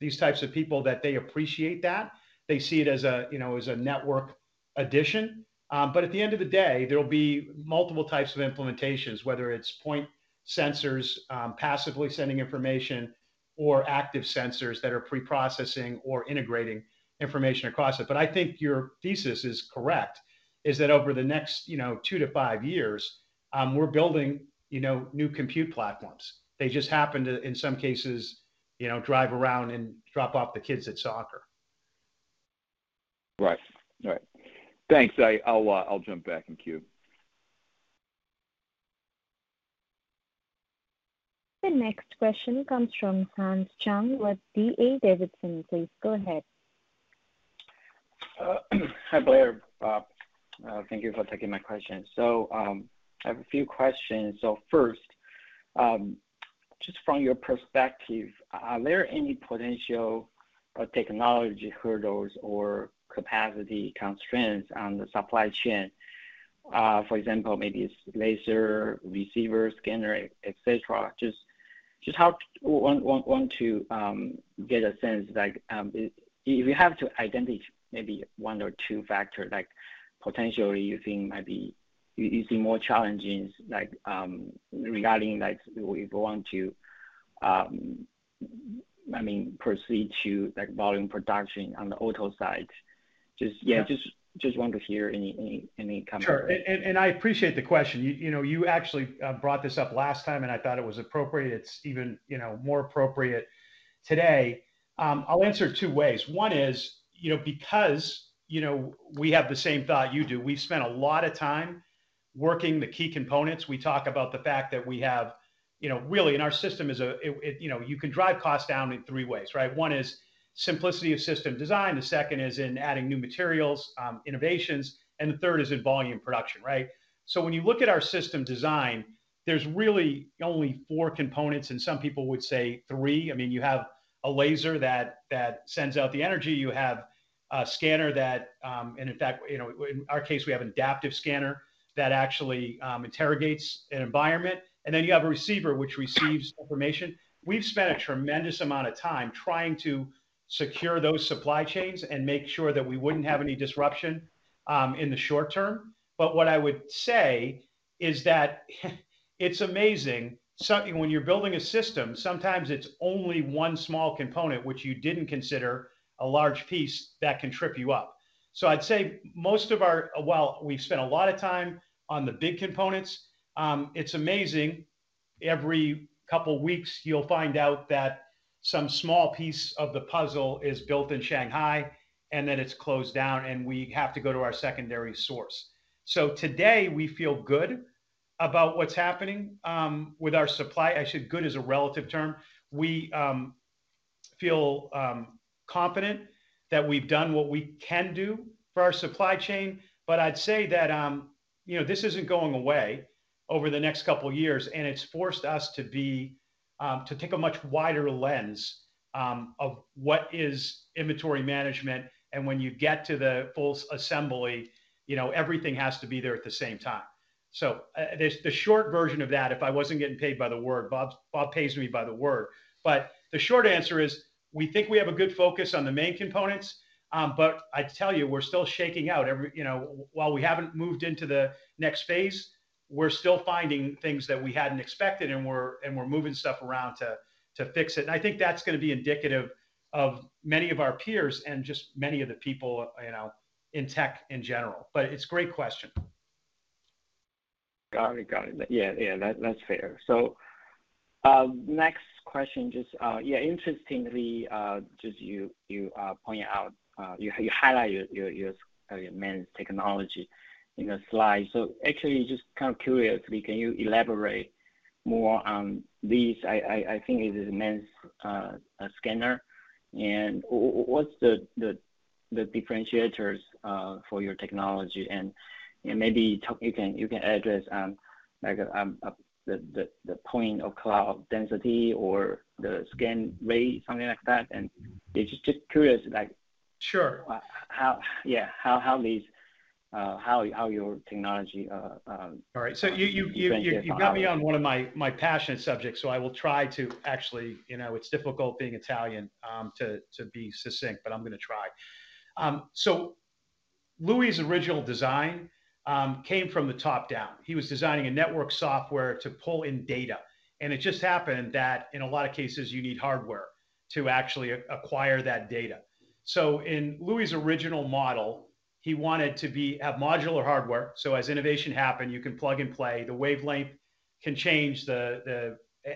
these types of people that they appreciate that. They see it as a you know as a network addition. At the end of the day, there'll be multiple types of implementations, whether it's point sensors, passively sending information or active sensors that are pre-processing or integrating information across it. I think your thesis is correct, is that over the next, you know, two to five years, we're building, you know, new compute platforms. They just happen to, in some cases, you know, drive around and drop off the kids at soccer. Right. All right. Thanks. I'll jump back in queue. The next question comes from Hans Chung with D.A. Davidson. Please go ahead. Hi, Blair. Thank you for taking my question. I have a few questions. First, just from your perspective, are there any potential technology hurdles or capacity constraints on the supply chain? For example, maybe it's laser, receiver, scanner, et cetera. Just how I want to get a sense like, if you have to identify maybe one or two factor, like potentially you think might be you see more challenges like, regarding like if you want to, I mean, proceed to like volume production on the auto side. Just Yeah. Just want to hear any comment. Sure. I appreciate the question. You know, you actually brought this up last time and I thought it was appropriate. It's even, you know, more appropriate today. I'll answer two ways. One is, you know, because, you know, we have the same thought you do, we've spent a lot of time working the key components. We talk about the fact that we have, you know, really, and our system is it, you know, you can drive costs down in three ways, right? One is simplicity of system design, the second is in adding new materials, innovations, and the third is in volume production, right? When you look at our system design, there's really only four components, and some people would say three. I mean, you have a laser that sends out the energy. You have a scanner that, and in fact, you know, in our case, we have adaptive scanner that actually interrogates an environment. You have a receiver which receives information. We've spent a tremendous amount of time trying to secure those supply chains and make sure that we wouldn't have any disruption in the short term. What I would say is that it's amazing when you're building a system, sometimes it's only one small component which you didn't consider a large piece that can trip you up. I'd say most of our. While we've spent a lot of time on the big components, it's amazing every couple weeks you'll find out that some small piece of the puzzle is built in Shanghai, and then it's closed down and we have to go to our secondary source. Today, we feel good about what's happening with our supply. Actually, good is a relative term. We feel confident that we've done what we can do for our supply chain. But I'd say that you know, this isn't going away over the next couple years, and it's forced us to take a much wider lens of what is inventory management. When you get to the full assembly, you know, everything has to be there at the same time. There's the short version of that, if I wasn't getting paid by the word. Bob pays me by the word. But the short answer is, we think we have a good focus on the main components. I tell you, we're still shaking out every, you know, while we haven't moved into the next phase, we're still finding things that we hadn't expected and we're moving stuff around to fix it. And I think that's gonna be indicative of many of our peers and just many of the people, you know, in tech in general. It's a great question. Got it. Yeah, that's fair. Next question, just yeah, interestingly, just you point out, you highlight your main technology in a slide. So actually, just kind of curiously, can you elaborate more on these? I think it is MEMS scanner and what's the differentiators for your technology and maybe you can address like the point cloud density or the scan rate, something like that. And just curious, like. Sure Yeah, how your technology All right. You've got me on one of my passionate subjects, so I will try to actually. You know, it's difficult being Italian to be succinct, but I'm gonna try. Luis' original design came from the top down. He was designing a network software to pull in data, and it just happened that in a lot of cases you need hardware to actually acquire that data. Luis' original model, he wanted to be a modular hardware, as innovation happened, you can plug and play. The wavelength can change.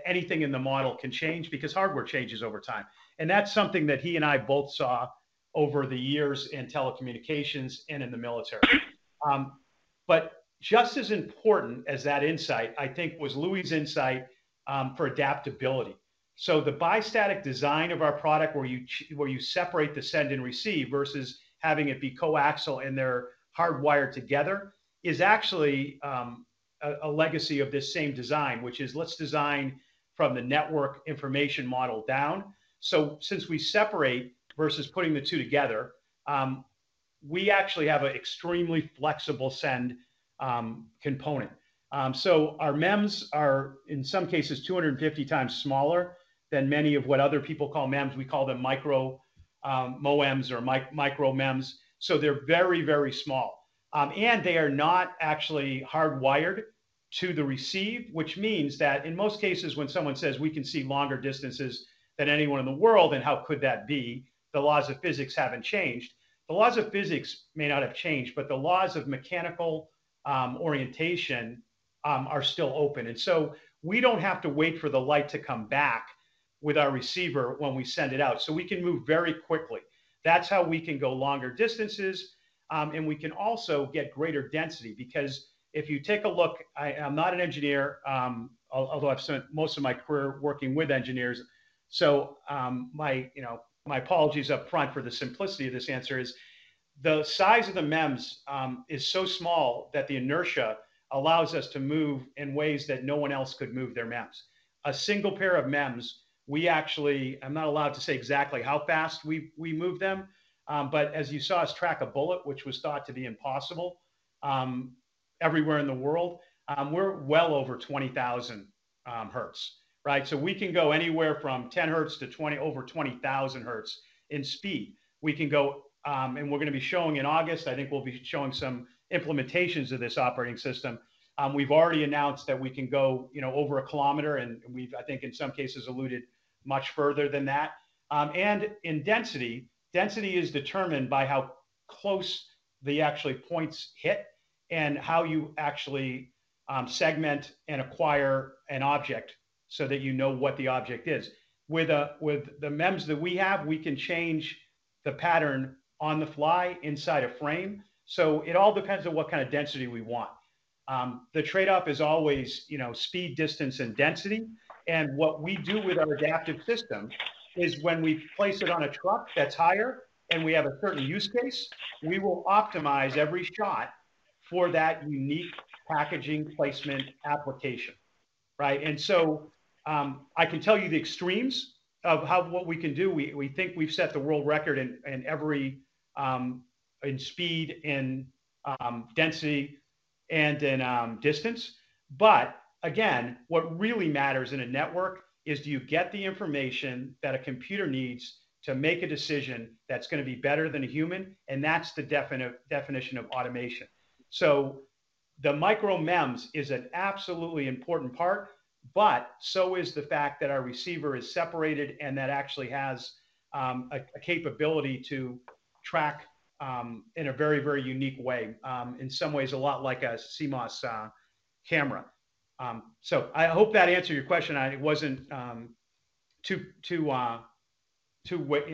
Anything in the model can change because hardware changes over time. That's something that he and I both saw over the years in telecommunications and in the military. Just as important as that insight, I think, was Luis' insight for adaptability. The bistatic design of our product where you separate the send and receive versus having it be coaxial and they're hardwired together is actually a legacy of this same design, which is let's design from the network information model down. Since we separate versus putting the two together, we actually have an extremely flexible send component. Our MEMS are in some cases 250 times smaller than many of what other people call MEMS. We call them micro MEMS. They're very, very small. They are not actually hardwired to the receive, which means that in most cases when someone says we can see longer distances than anyone in the world and how could that be, the laws of physics haven't changed. The laws of physics may not have changed, but the laws of mechanical orientation are still open. We don't have to wait for the light to come back with our receiver when we send it out, so we can move very quickly. That's how we can go longer distances, and we can also get greater density because if you take a look, I'm not an engineer, although I've spent most of my career working with engineers, so you know my apologies up front for the simplicity of this answer is the size of the MEMS is so small that the inertia allows us to move in ways that no one else could move their MEMS. A single pair of MEMS, we actually—I'm not allowed to say exactly how fast we move them, but as you saw us track a bullet, which was thought to be impossible everywhere in the world, we're well over 20,000 hertz, right? We can go anywhere from 10 hertz to over 20,000 hertz in speed. We're gonna be showing in August, I think we'll be showing some implementations of this operating system. We've already announced that we can go, you know, over a kilometer and we've, I think in some cases alluded much further than that. In density is determined by how close the actual points hit and how you actually segment and acquire an object so that you know what the object is. With the MEMS that we have, we can change the pattern on the fly inside a frame, so it all depends on what kind of density we want. The trade-off is always, you know, speed, distance, and density. What we do with our adaptive system is when we place it on a truck that's higher and we have a certain use case, we will optimize every shot for that unique packaging placement application, right? I can tell you the extremes of how what we can do. We think we've set the world record in every, in speed, in density, and in distance. Again, what really matters in a network is do you get the information that a computer needs to make a decision that's gonna be better than a human, and that's the definition of automation. The micro MEMS is an absolutely important part, but so is the fact that our receiver is separated and that actually has a capability to track in a very unique way, in some ways a lot like a CMOS camera. I hope that answered your question. I wasn't too you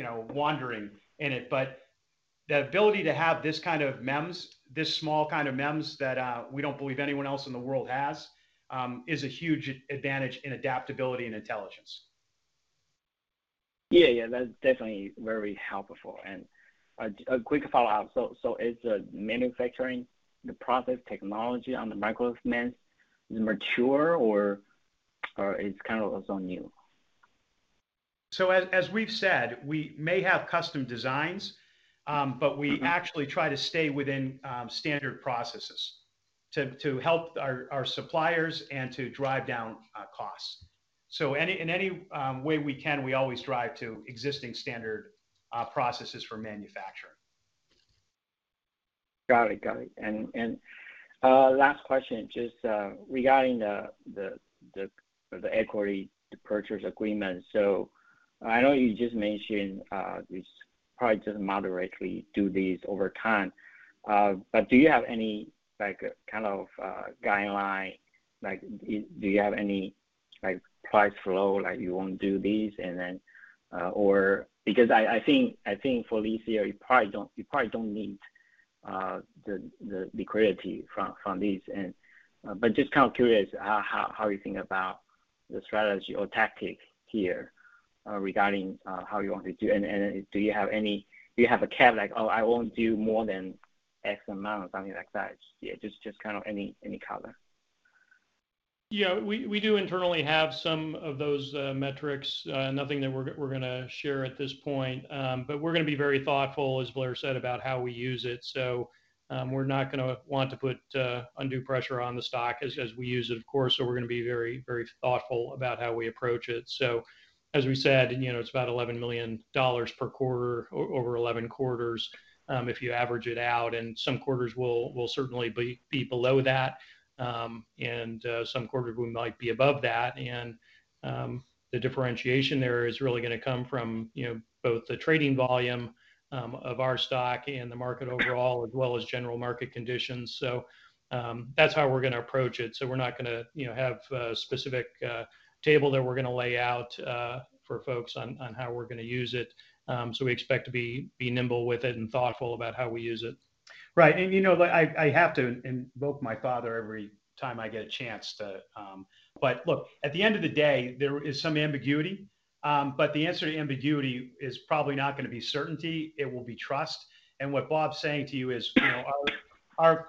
know, wandering in it. The ability to have this kind of MEMS, this small kind of MEMS that we don't believe anyone else in the world has is a huge advantage in adaptability and intelligence. Yeah, that's definitely very helpful. A quick follow-up. So is the manufacturing, the process technology on the micro MEMS mature or it's kind of also new? As we've said, we may have custom designs, but we actually try to stay within standard processes to help our suppliers and to drive down costs. In any way we can, we always strive to existing standard processes for manufacturing. Got it. Last question, just regarding the equity purchase agreement. I know you just mentioned this probably just moderately do this over time, but do you have any kind of guideline? Like do you have any like price floor like you won't do this and then? Because I think for this year you probably don't need the liquidity from these. Just kind of curious how you think about the strategy or tactic here regarding how you want to do. Do you have a cap, like, oh, I won't do more than X amount or something like that? Yeah, just kind of any color. Yeah. We do internally have some of those metrics. Nothing that we're gonna share at this point. We're gonna be very thoughtful, as Blair said, about how we use it. We're not gonna want to put undue pressure on the stock as we use it, of course. We're gonna be very, very thoughtful about how we approach it. As we said, you know, it's about $11 million per quarter over 11 quarters, if you average it out, and some quarters will certainly be below that, and some quarters we might be above that. The differentiation there is really gonna come from, you know, both the trading volume of our stock and the market overall, as well as general market conditions. That's how we're gonna approach it. We're not gonna, you know, have a specific table that we're gonna lay out for folks on how we're gonna use it. We expect to be nimble with it and thoughtful about how we use it. Right. You know, like I have to invoke my father every time I get a chance to. Look, at the end of the day, there is some ambiguity. The answer to ambiguity is probably not gonna be certainty. It will be trust. What Bob's saying to you is, you know, our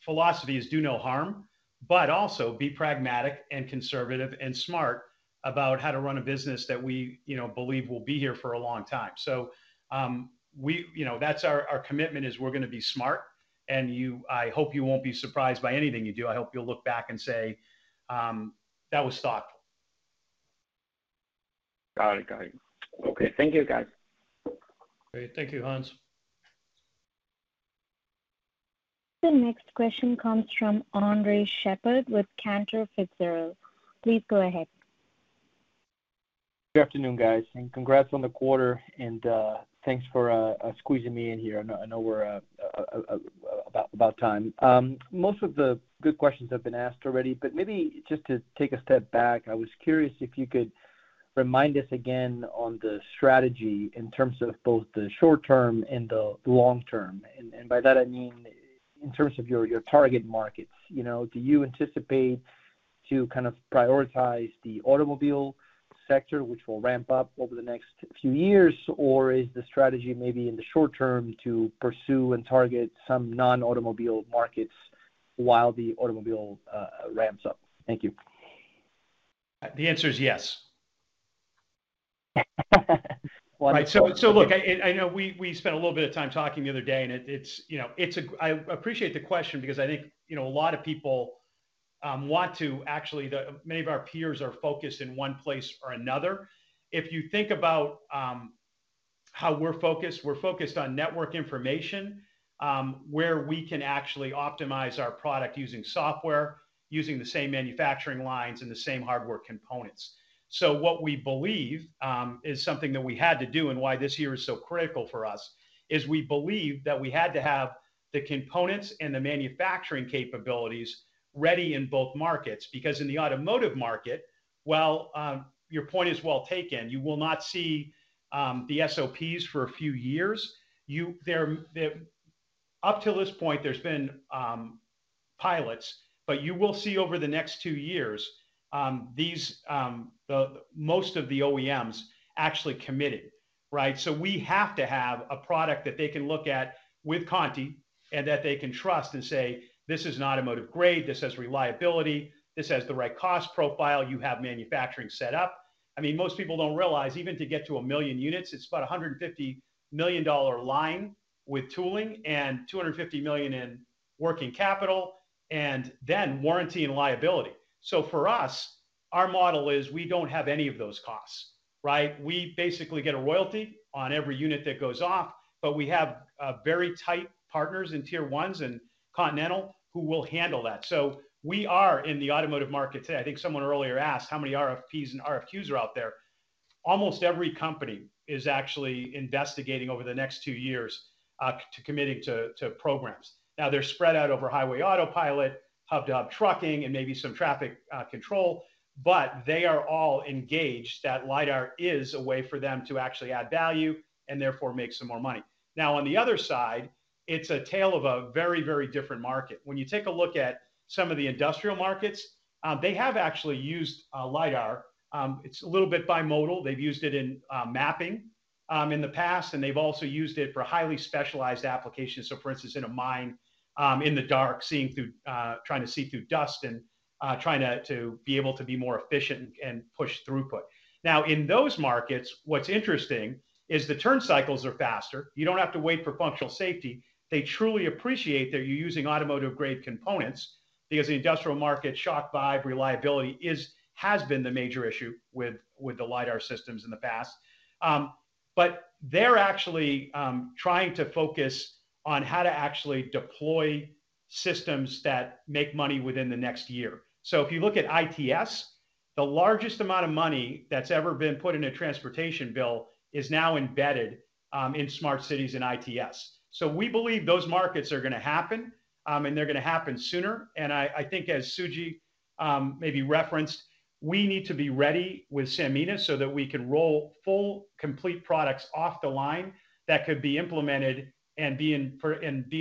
philosophy is do no harm, but also be pragmatic and conservative and smart about how to run a business that we, you know, believe will be here for a long time. You know, that's our commitment is we're gonna be smart. I hope you won't be surprised by anything you do. I hope you'll look back and say, "That was thoughtful. Got it. Okay. Thank you, guys. Great. Thank you, Hans. The next question comes from Andres Sheppard with Cantor Fitzgerald. Please go ahead. Good afternoon, guys. Congrats on the quarter, and thanks for squeezing me in here. I know we're about time. Most of the good questions have been asked already, but maybe just to take a step back, I was curious if you could remind us again on the strategy in terms of both the short term and the long term. By that I mean in terms of your target markets. You know, do you anticipate to kind of prioritize the automobile sector, which will ramp up over the next few years? Or is the strategy maybe in the short term to pursue and target some non-automobile markets while the automobile ramps up? Thank you. The answer is yes. Wonderful. Right. Look, I know we spent a little bit of time talking the other day, and it's, you know, it's. I appreciate the question because I think, you know, a lot of people want to actually. Many of our peers are focused in one place or another. If you think about how we're focused, we're focused on network information, where we can actually optimize our product using software, using the same manufacturing lines and the same hardware components. What we believe is something that we had to do and why this year is so critical for us, is we believe that we had to have the components and the manufacturing capabilities ready in both markets. Because in the automotive market, while your point is well taken, you will not see the SOPs for a few years. Up till this point, there's been pilots, but you will see over the next two years, the most of the OEMs actually committed, right? We have to have a product that they can look at with Conti and that they can trust and say, "This is an automotive grade. This has reliability. This has the right cost profile. You have manufacturing set up." I mean, most people don't realize even to get to 1 million units, it's about a $150 million line with tooling and $250 million in working capital, and then warranty and liability. For us, our model is we don't have any of those costs, right? We basically get a royalty on every unit that goes off, but we have very tight partners in tier ones and Continental who will handle that. We are in the automotive market today. I think someone earlier asked how many RFPs and RFQs are out there. Almost every company is actually investigating over the next two years to committing to programs. They're spread out over highway autopilot, hub-to-hub trucking, and maybe some traffic control, but they are all engaged that LiDAR is a way for them to actually add value and therefore make some more money. Now, on the other side, it's a tale of a very, very different market. When you take a look at some of the industrial markets, they have actually used LiDAR. It's a little bit bimodal. They've used it in mapping in the past, and they've also used it for highly specialized applications. For instance, in a mine, in the dark, seeing through, trying to see through dust and trying to be more efficient and push throughput. Now, in those markets, what's interesting is the turn cycles are faster. You don't have to wait for functional safety. They truly appreciate that you're using automotive-grade components because the industrial market shock and vibration reliability has been the major issue with the LiDAR systems in the past. They're actually trying to focus on how to actually deploy systems that make money within the next year. If you look at ITS, the largest amount of money that's ever been put in a transportation bill is now embedded in smart cities and ITS. We believe those markets are gonna happen, and they're gonna happen sooner. I think as Suji Desilva maybe referenced. We need to be ready with Sanmina so that we can roll full complete products off the line that could be implemented and be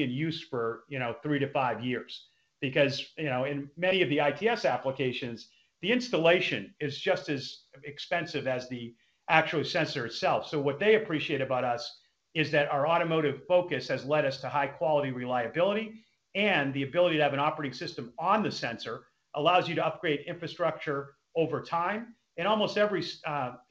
in use for, you know, three to five years. Because, you know, in many of the ITS applications, the installation is just as expensive as the actual sensor itself. What they appreciate about us is that our automotive focus has led us to high quality reliability, and the ability to have an operating system on the sensor allows you to upgrade infrastructure over time. Almost every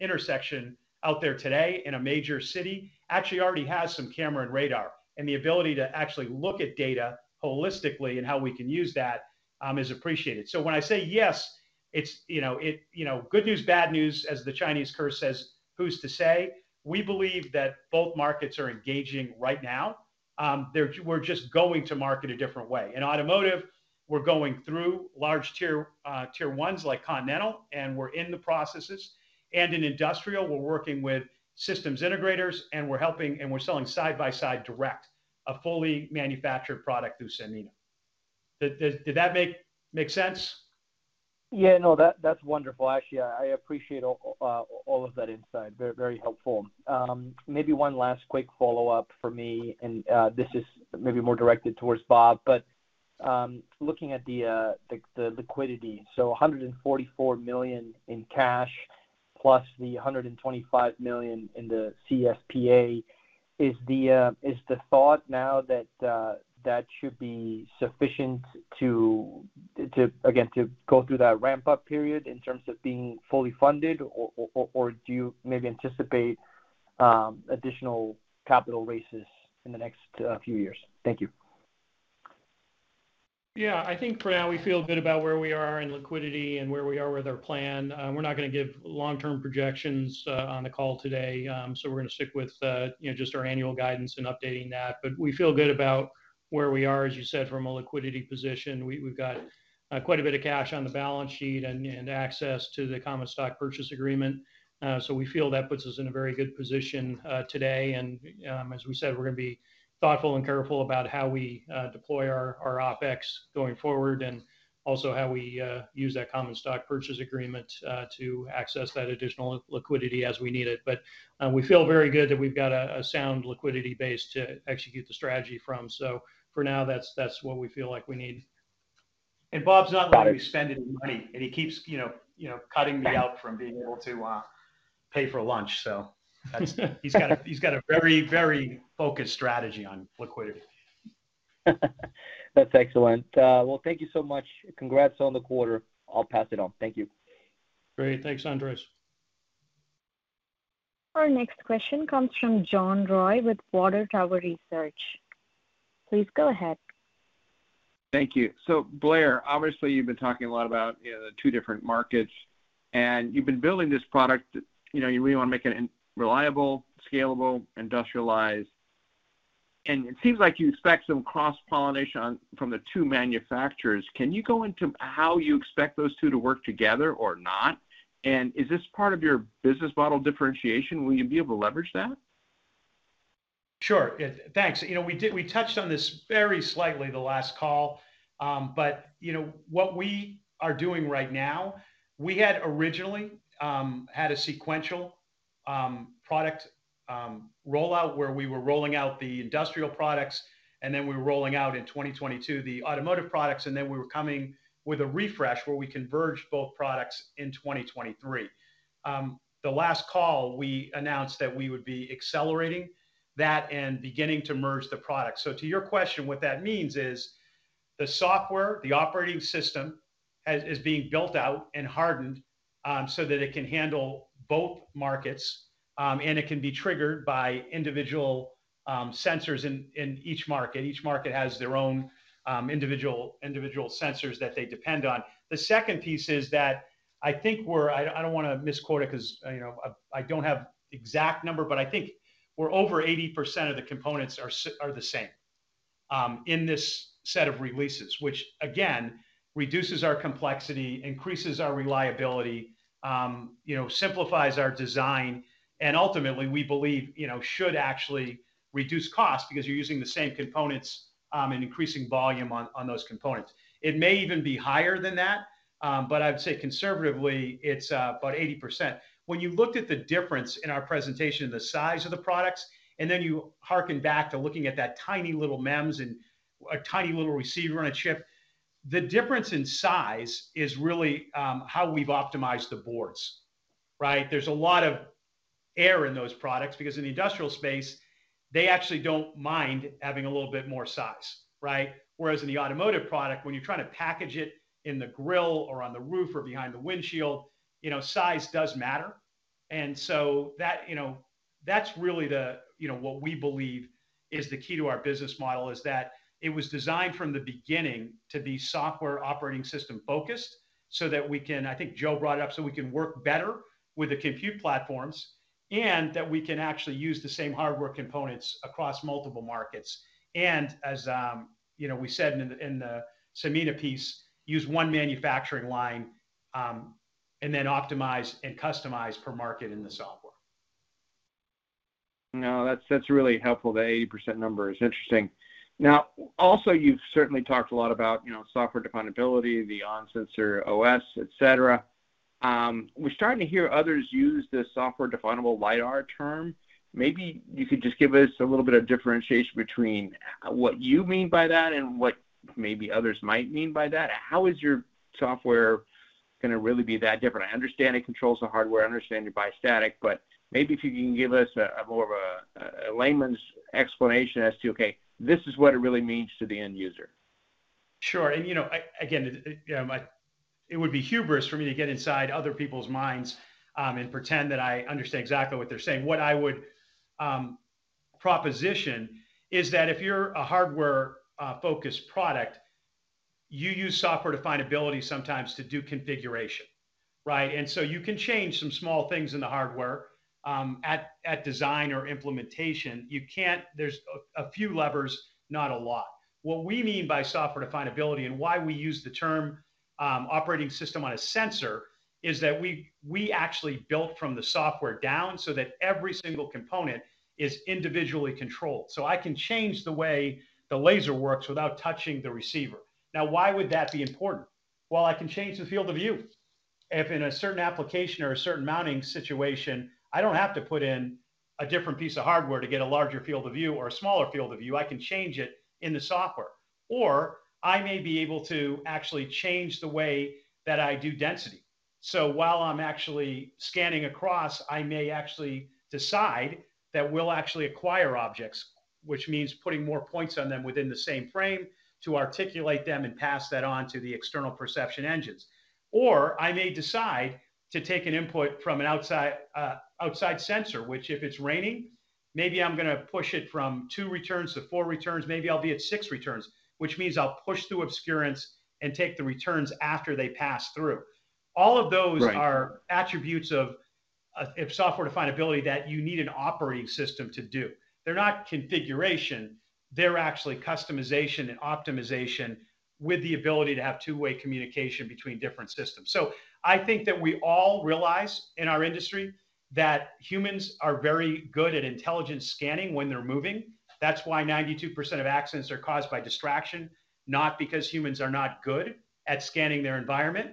intersection out there today in a major city actually already has some camera and radar, and the ability to actually look at data holistically and how we can use that is appreciated. When I say yes, it's, you know, it. You know, good news, bad news, as the Chinese curse says, "Who's to say?" We believe that both markets are engaging right now, they're just going to market a different way. In automotive, we're going through large tier ones like Continental, and we're in the processes. In industrial, we're working with systems integrators, and we're helping, and we're selling side by side direct a fully manufactured product through Sanmina. Did that make sense? Yeah, no, that's wonderful. Actually, I appreciate all of that insight. Very, very helpful. Maybe one last quick follow-up from me and this is maybe more directed towards Bob. Looking at the liquidity, so $144 million in cash plus the $125 million in the CSPA, is the thought now that that should be sufficient to again to go through that ramp-up period in terms of being fully funded or do you maybe anticipate additional capital raises in the next few years? Thank you. Yeah. I think for now we feel good about where we are in liquidity and where we are with our plan. We're not gonna give long-term projections on the call today. We're gonna stick with you know just our annual guidance and updating that. We feel good about where we are, as you said, from a liquidity position. We've got quite a bit of cash on the balance sheet and access to the common stock purchase agreement. We feel that puts us in a very good position today. As we said, we're gonna be thoughtful and careful about how we deploy our OpEx going forward and also how we use that common stock purchase agreement to access that additional liquidity as we need it. We feel very good that we've got a sound liquidity base to execute the strategy from. For now that's what we feel like we need. Bob's not letting me spend any money, and he keeps, you know, cutting me out from being able to pay for lunch. He's got a very focused strategy on liquidity. That's excellent. Well, thank you so much. Congrats on the quarter. I'll pass it on. Thank you. Great. Thanks, Andres. Our next question comes from John Roy with Water Tower Research. Please go ahead. Thank you. Blair, obviously you've been talking a lot about, you know, the two different markets, and you've been building this product, you know, you really wanna make it reliable, scalable, industrialized, and it seems like you expect some cross-pollination from the two manufacturers. Can you go into how you expect those two to work together or not? Is this part of your business model differentiation? Will you be able to leverage that? Sure. Thanks. You know, we touched on this very slightly the last call. You know, what we are doing right now, we had originally had a sequential product rollout where we were rolling out the industrial products and then we were rolling out in 2022 the automotive products, and then we were coming with a refresh where we converged both products in 2023. The last call, we announced that we would be accelerating that and beginning to merge the products. To your question, what that means is the software, the operating system is being built out and hardened so that it can handle both markets, and it can be triggered by individual sensors in each market. Each market has their own individual sensors that they depend on. The second piece is that I think we're. I don't wanna misquote it 'cause, you know, I don't have exact number, but I think we're over 80% of the components are the same in this set of releases. Which again reduces our complexity, increases our reliability, you know, simplifies our design and ultimately we believe, you know, should actually reduce cost because you're using the same components and increasing volume on those components. It may even be higher than that, but I'd say conservatively it's about 80%. When you looked at the difference in our presentation of the size of the products and then you harken back to looking at that tiny little MEMS and a tiny little receiver on a chip, the difference in size is really how we've optimized the boards, right? There's a lot of air in those products because in the industrial space, they actually don't mind having a little bit more size, right? Whereas in the automotive product, when you're trying to package it in the grill or on the roof or behind the windshield, you know, size does matter. And so that, you know, that's really the, you know, what we believe is the key to our business model, is that it was designed from the beginning to be software operating system focused so that we can, I think Joe brought it up, so we can work better with the compute platforms and that we can actually use the same hardware components across multiple markets. And as you know, we said in the Sanmina piece, use one manufacturing line, and then optimize and customize per market in the software. No, that's really helpful. The 80% number is interesting. Now, also you've certainly talked a lot about, you know, software definability, the on-sensor OS, et cetera. We're starting to hear others use the software definable LiDAR term. Maybe you could just give us a little bit of differentiation between what you mean by that and what maybe others might mean by that. How is your software gonna really be that different? I understand it controls the hardware. I understand you're bistatic, but maybe if you can give us a more of a layman's explanation as to, okay, this is what it really means to the end user. Sure. You know, it would be hubris for me to get inside other people's minds and pretend that I understand exactly what they're saying. What I would proposition is that if you're a hardware focused product, you use software definability sometimes to do configuration, right? You can change some small things in the hardware at design or implementation. There's a few levers, not a lot. What we mean by software definability and why we use the term operating system on a sensor is that we actually built from the software down so that every single component is individually controlled. I can change the way the laser works without touching the receiver. Now, why would that be important? Well, I can change the field of view. If in a certain application or a certain mounting situation I don't have to put in a different piece of hardware to get a larger field of view or a smaller field of view, I can change it in the software. I may be able to actually change the way that I do density. While I'm actually scanning across, I may actually decide that we'll actually acquire objects, which means putting more points on them within the same frame to articulate them and pass that on to the external perception engines. I may decide to take an input from an outside sensor, which if it's raining, maybe I'm gonna push it from two returns to four returns, maybe I'll be at six returns, which means I'll push through obscurance and take the returns after they pass through. All of those. Right Are attributes of software definability that you need an operating system to do. They're not configuration, they're actually customization and optimization with the ability to have two-way communication between different systems. I think that we all realize in our industry that humans are very good at intelligent scanning when they're moving. That's why 92% of accidents are caused by distraction, not because humans are not good at scanning their environment.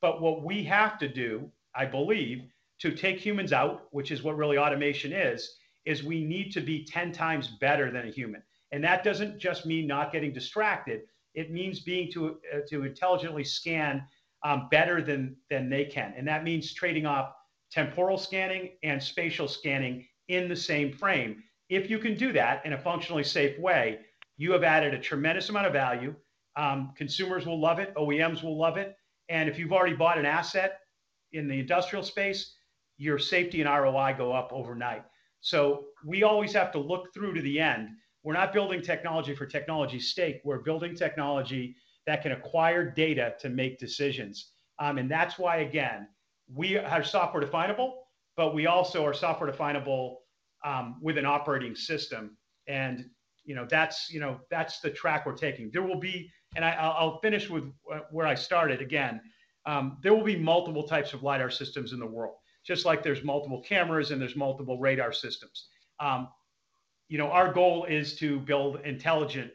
What we have to do, I believe, to take humans out, which is what really automation is we need to be 10 times better than a human. That doesn't just mean not getting distracted, it means being able to intelligently scan better than they can. That means trading off temporal scanning and spatial scanning in the same frame. If you can do that in a functionally safe way, you have added a tremendous amount of value. Consumers will love it, OEMs will love it, and if you've already bought an asset in the industrial space, your safety and ROI go up overnight. We always have to look through to the end. We're not building technology for technology's sake, we're building technology that can acquire data to make decisions. That's why, again, we are software definable, but we also are software definable with an operating system. You know, that's the track we're taking. I'll finish with where I started again. There will be multiple types of LiDAR systems in the world, just like there's multiple cameras and there's multiple radar systems. You know, our goal is to build intelligent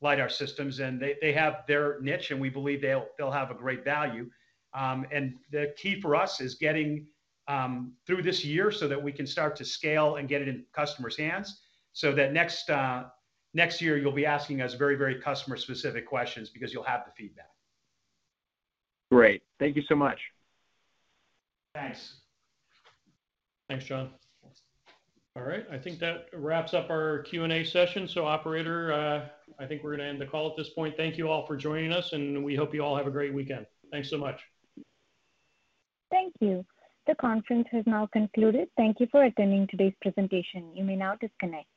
LiDAR systems, and they have their niche, and we believe they'll have a great value. The key for us is getting through this year so that we can start to scale and get it in customers' hands so that next year you'll be asking us very customer specific questions because you'll have the feedback. Great. Thank you so much. Thanks. Thanks, John. Thanks. All right. I think that wraps up our Q&A session. Operator, I think we're gonna end the call at this point. Thank you all for joining us, and we hope you all have a great weekend. Thanks so much. Thank you. The conference has now concluded. Thank you for attending today's presentation. You may now disconnect.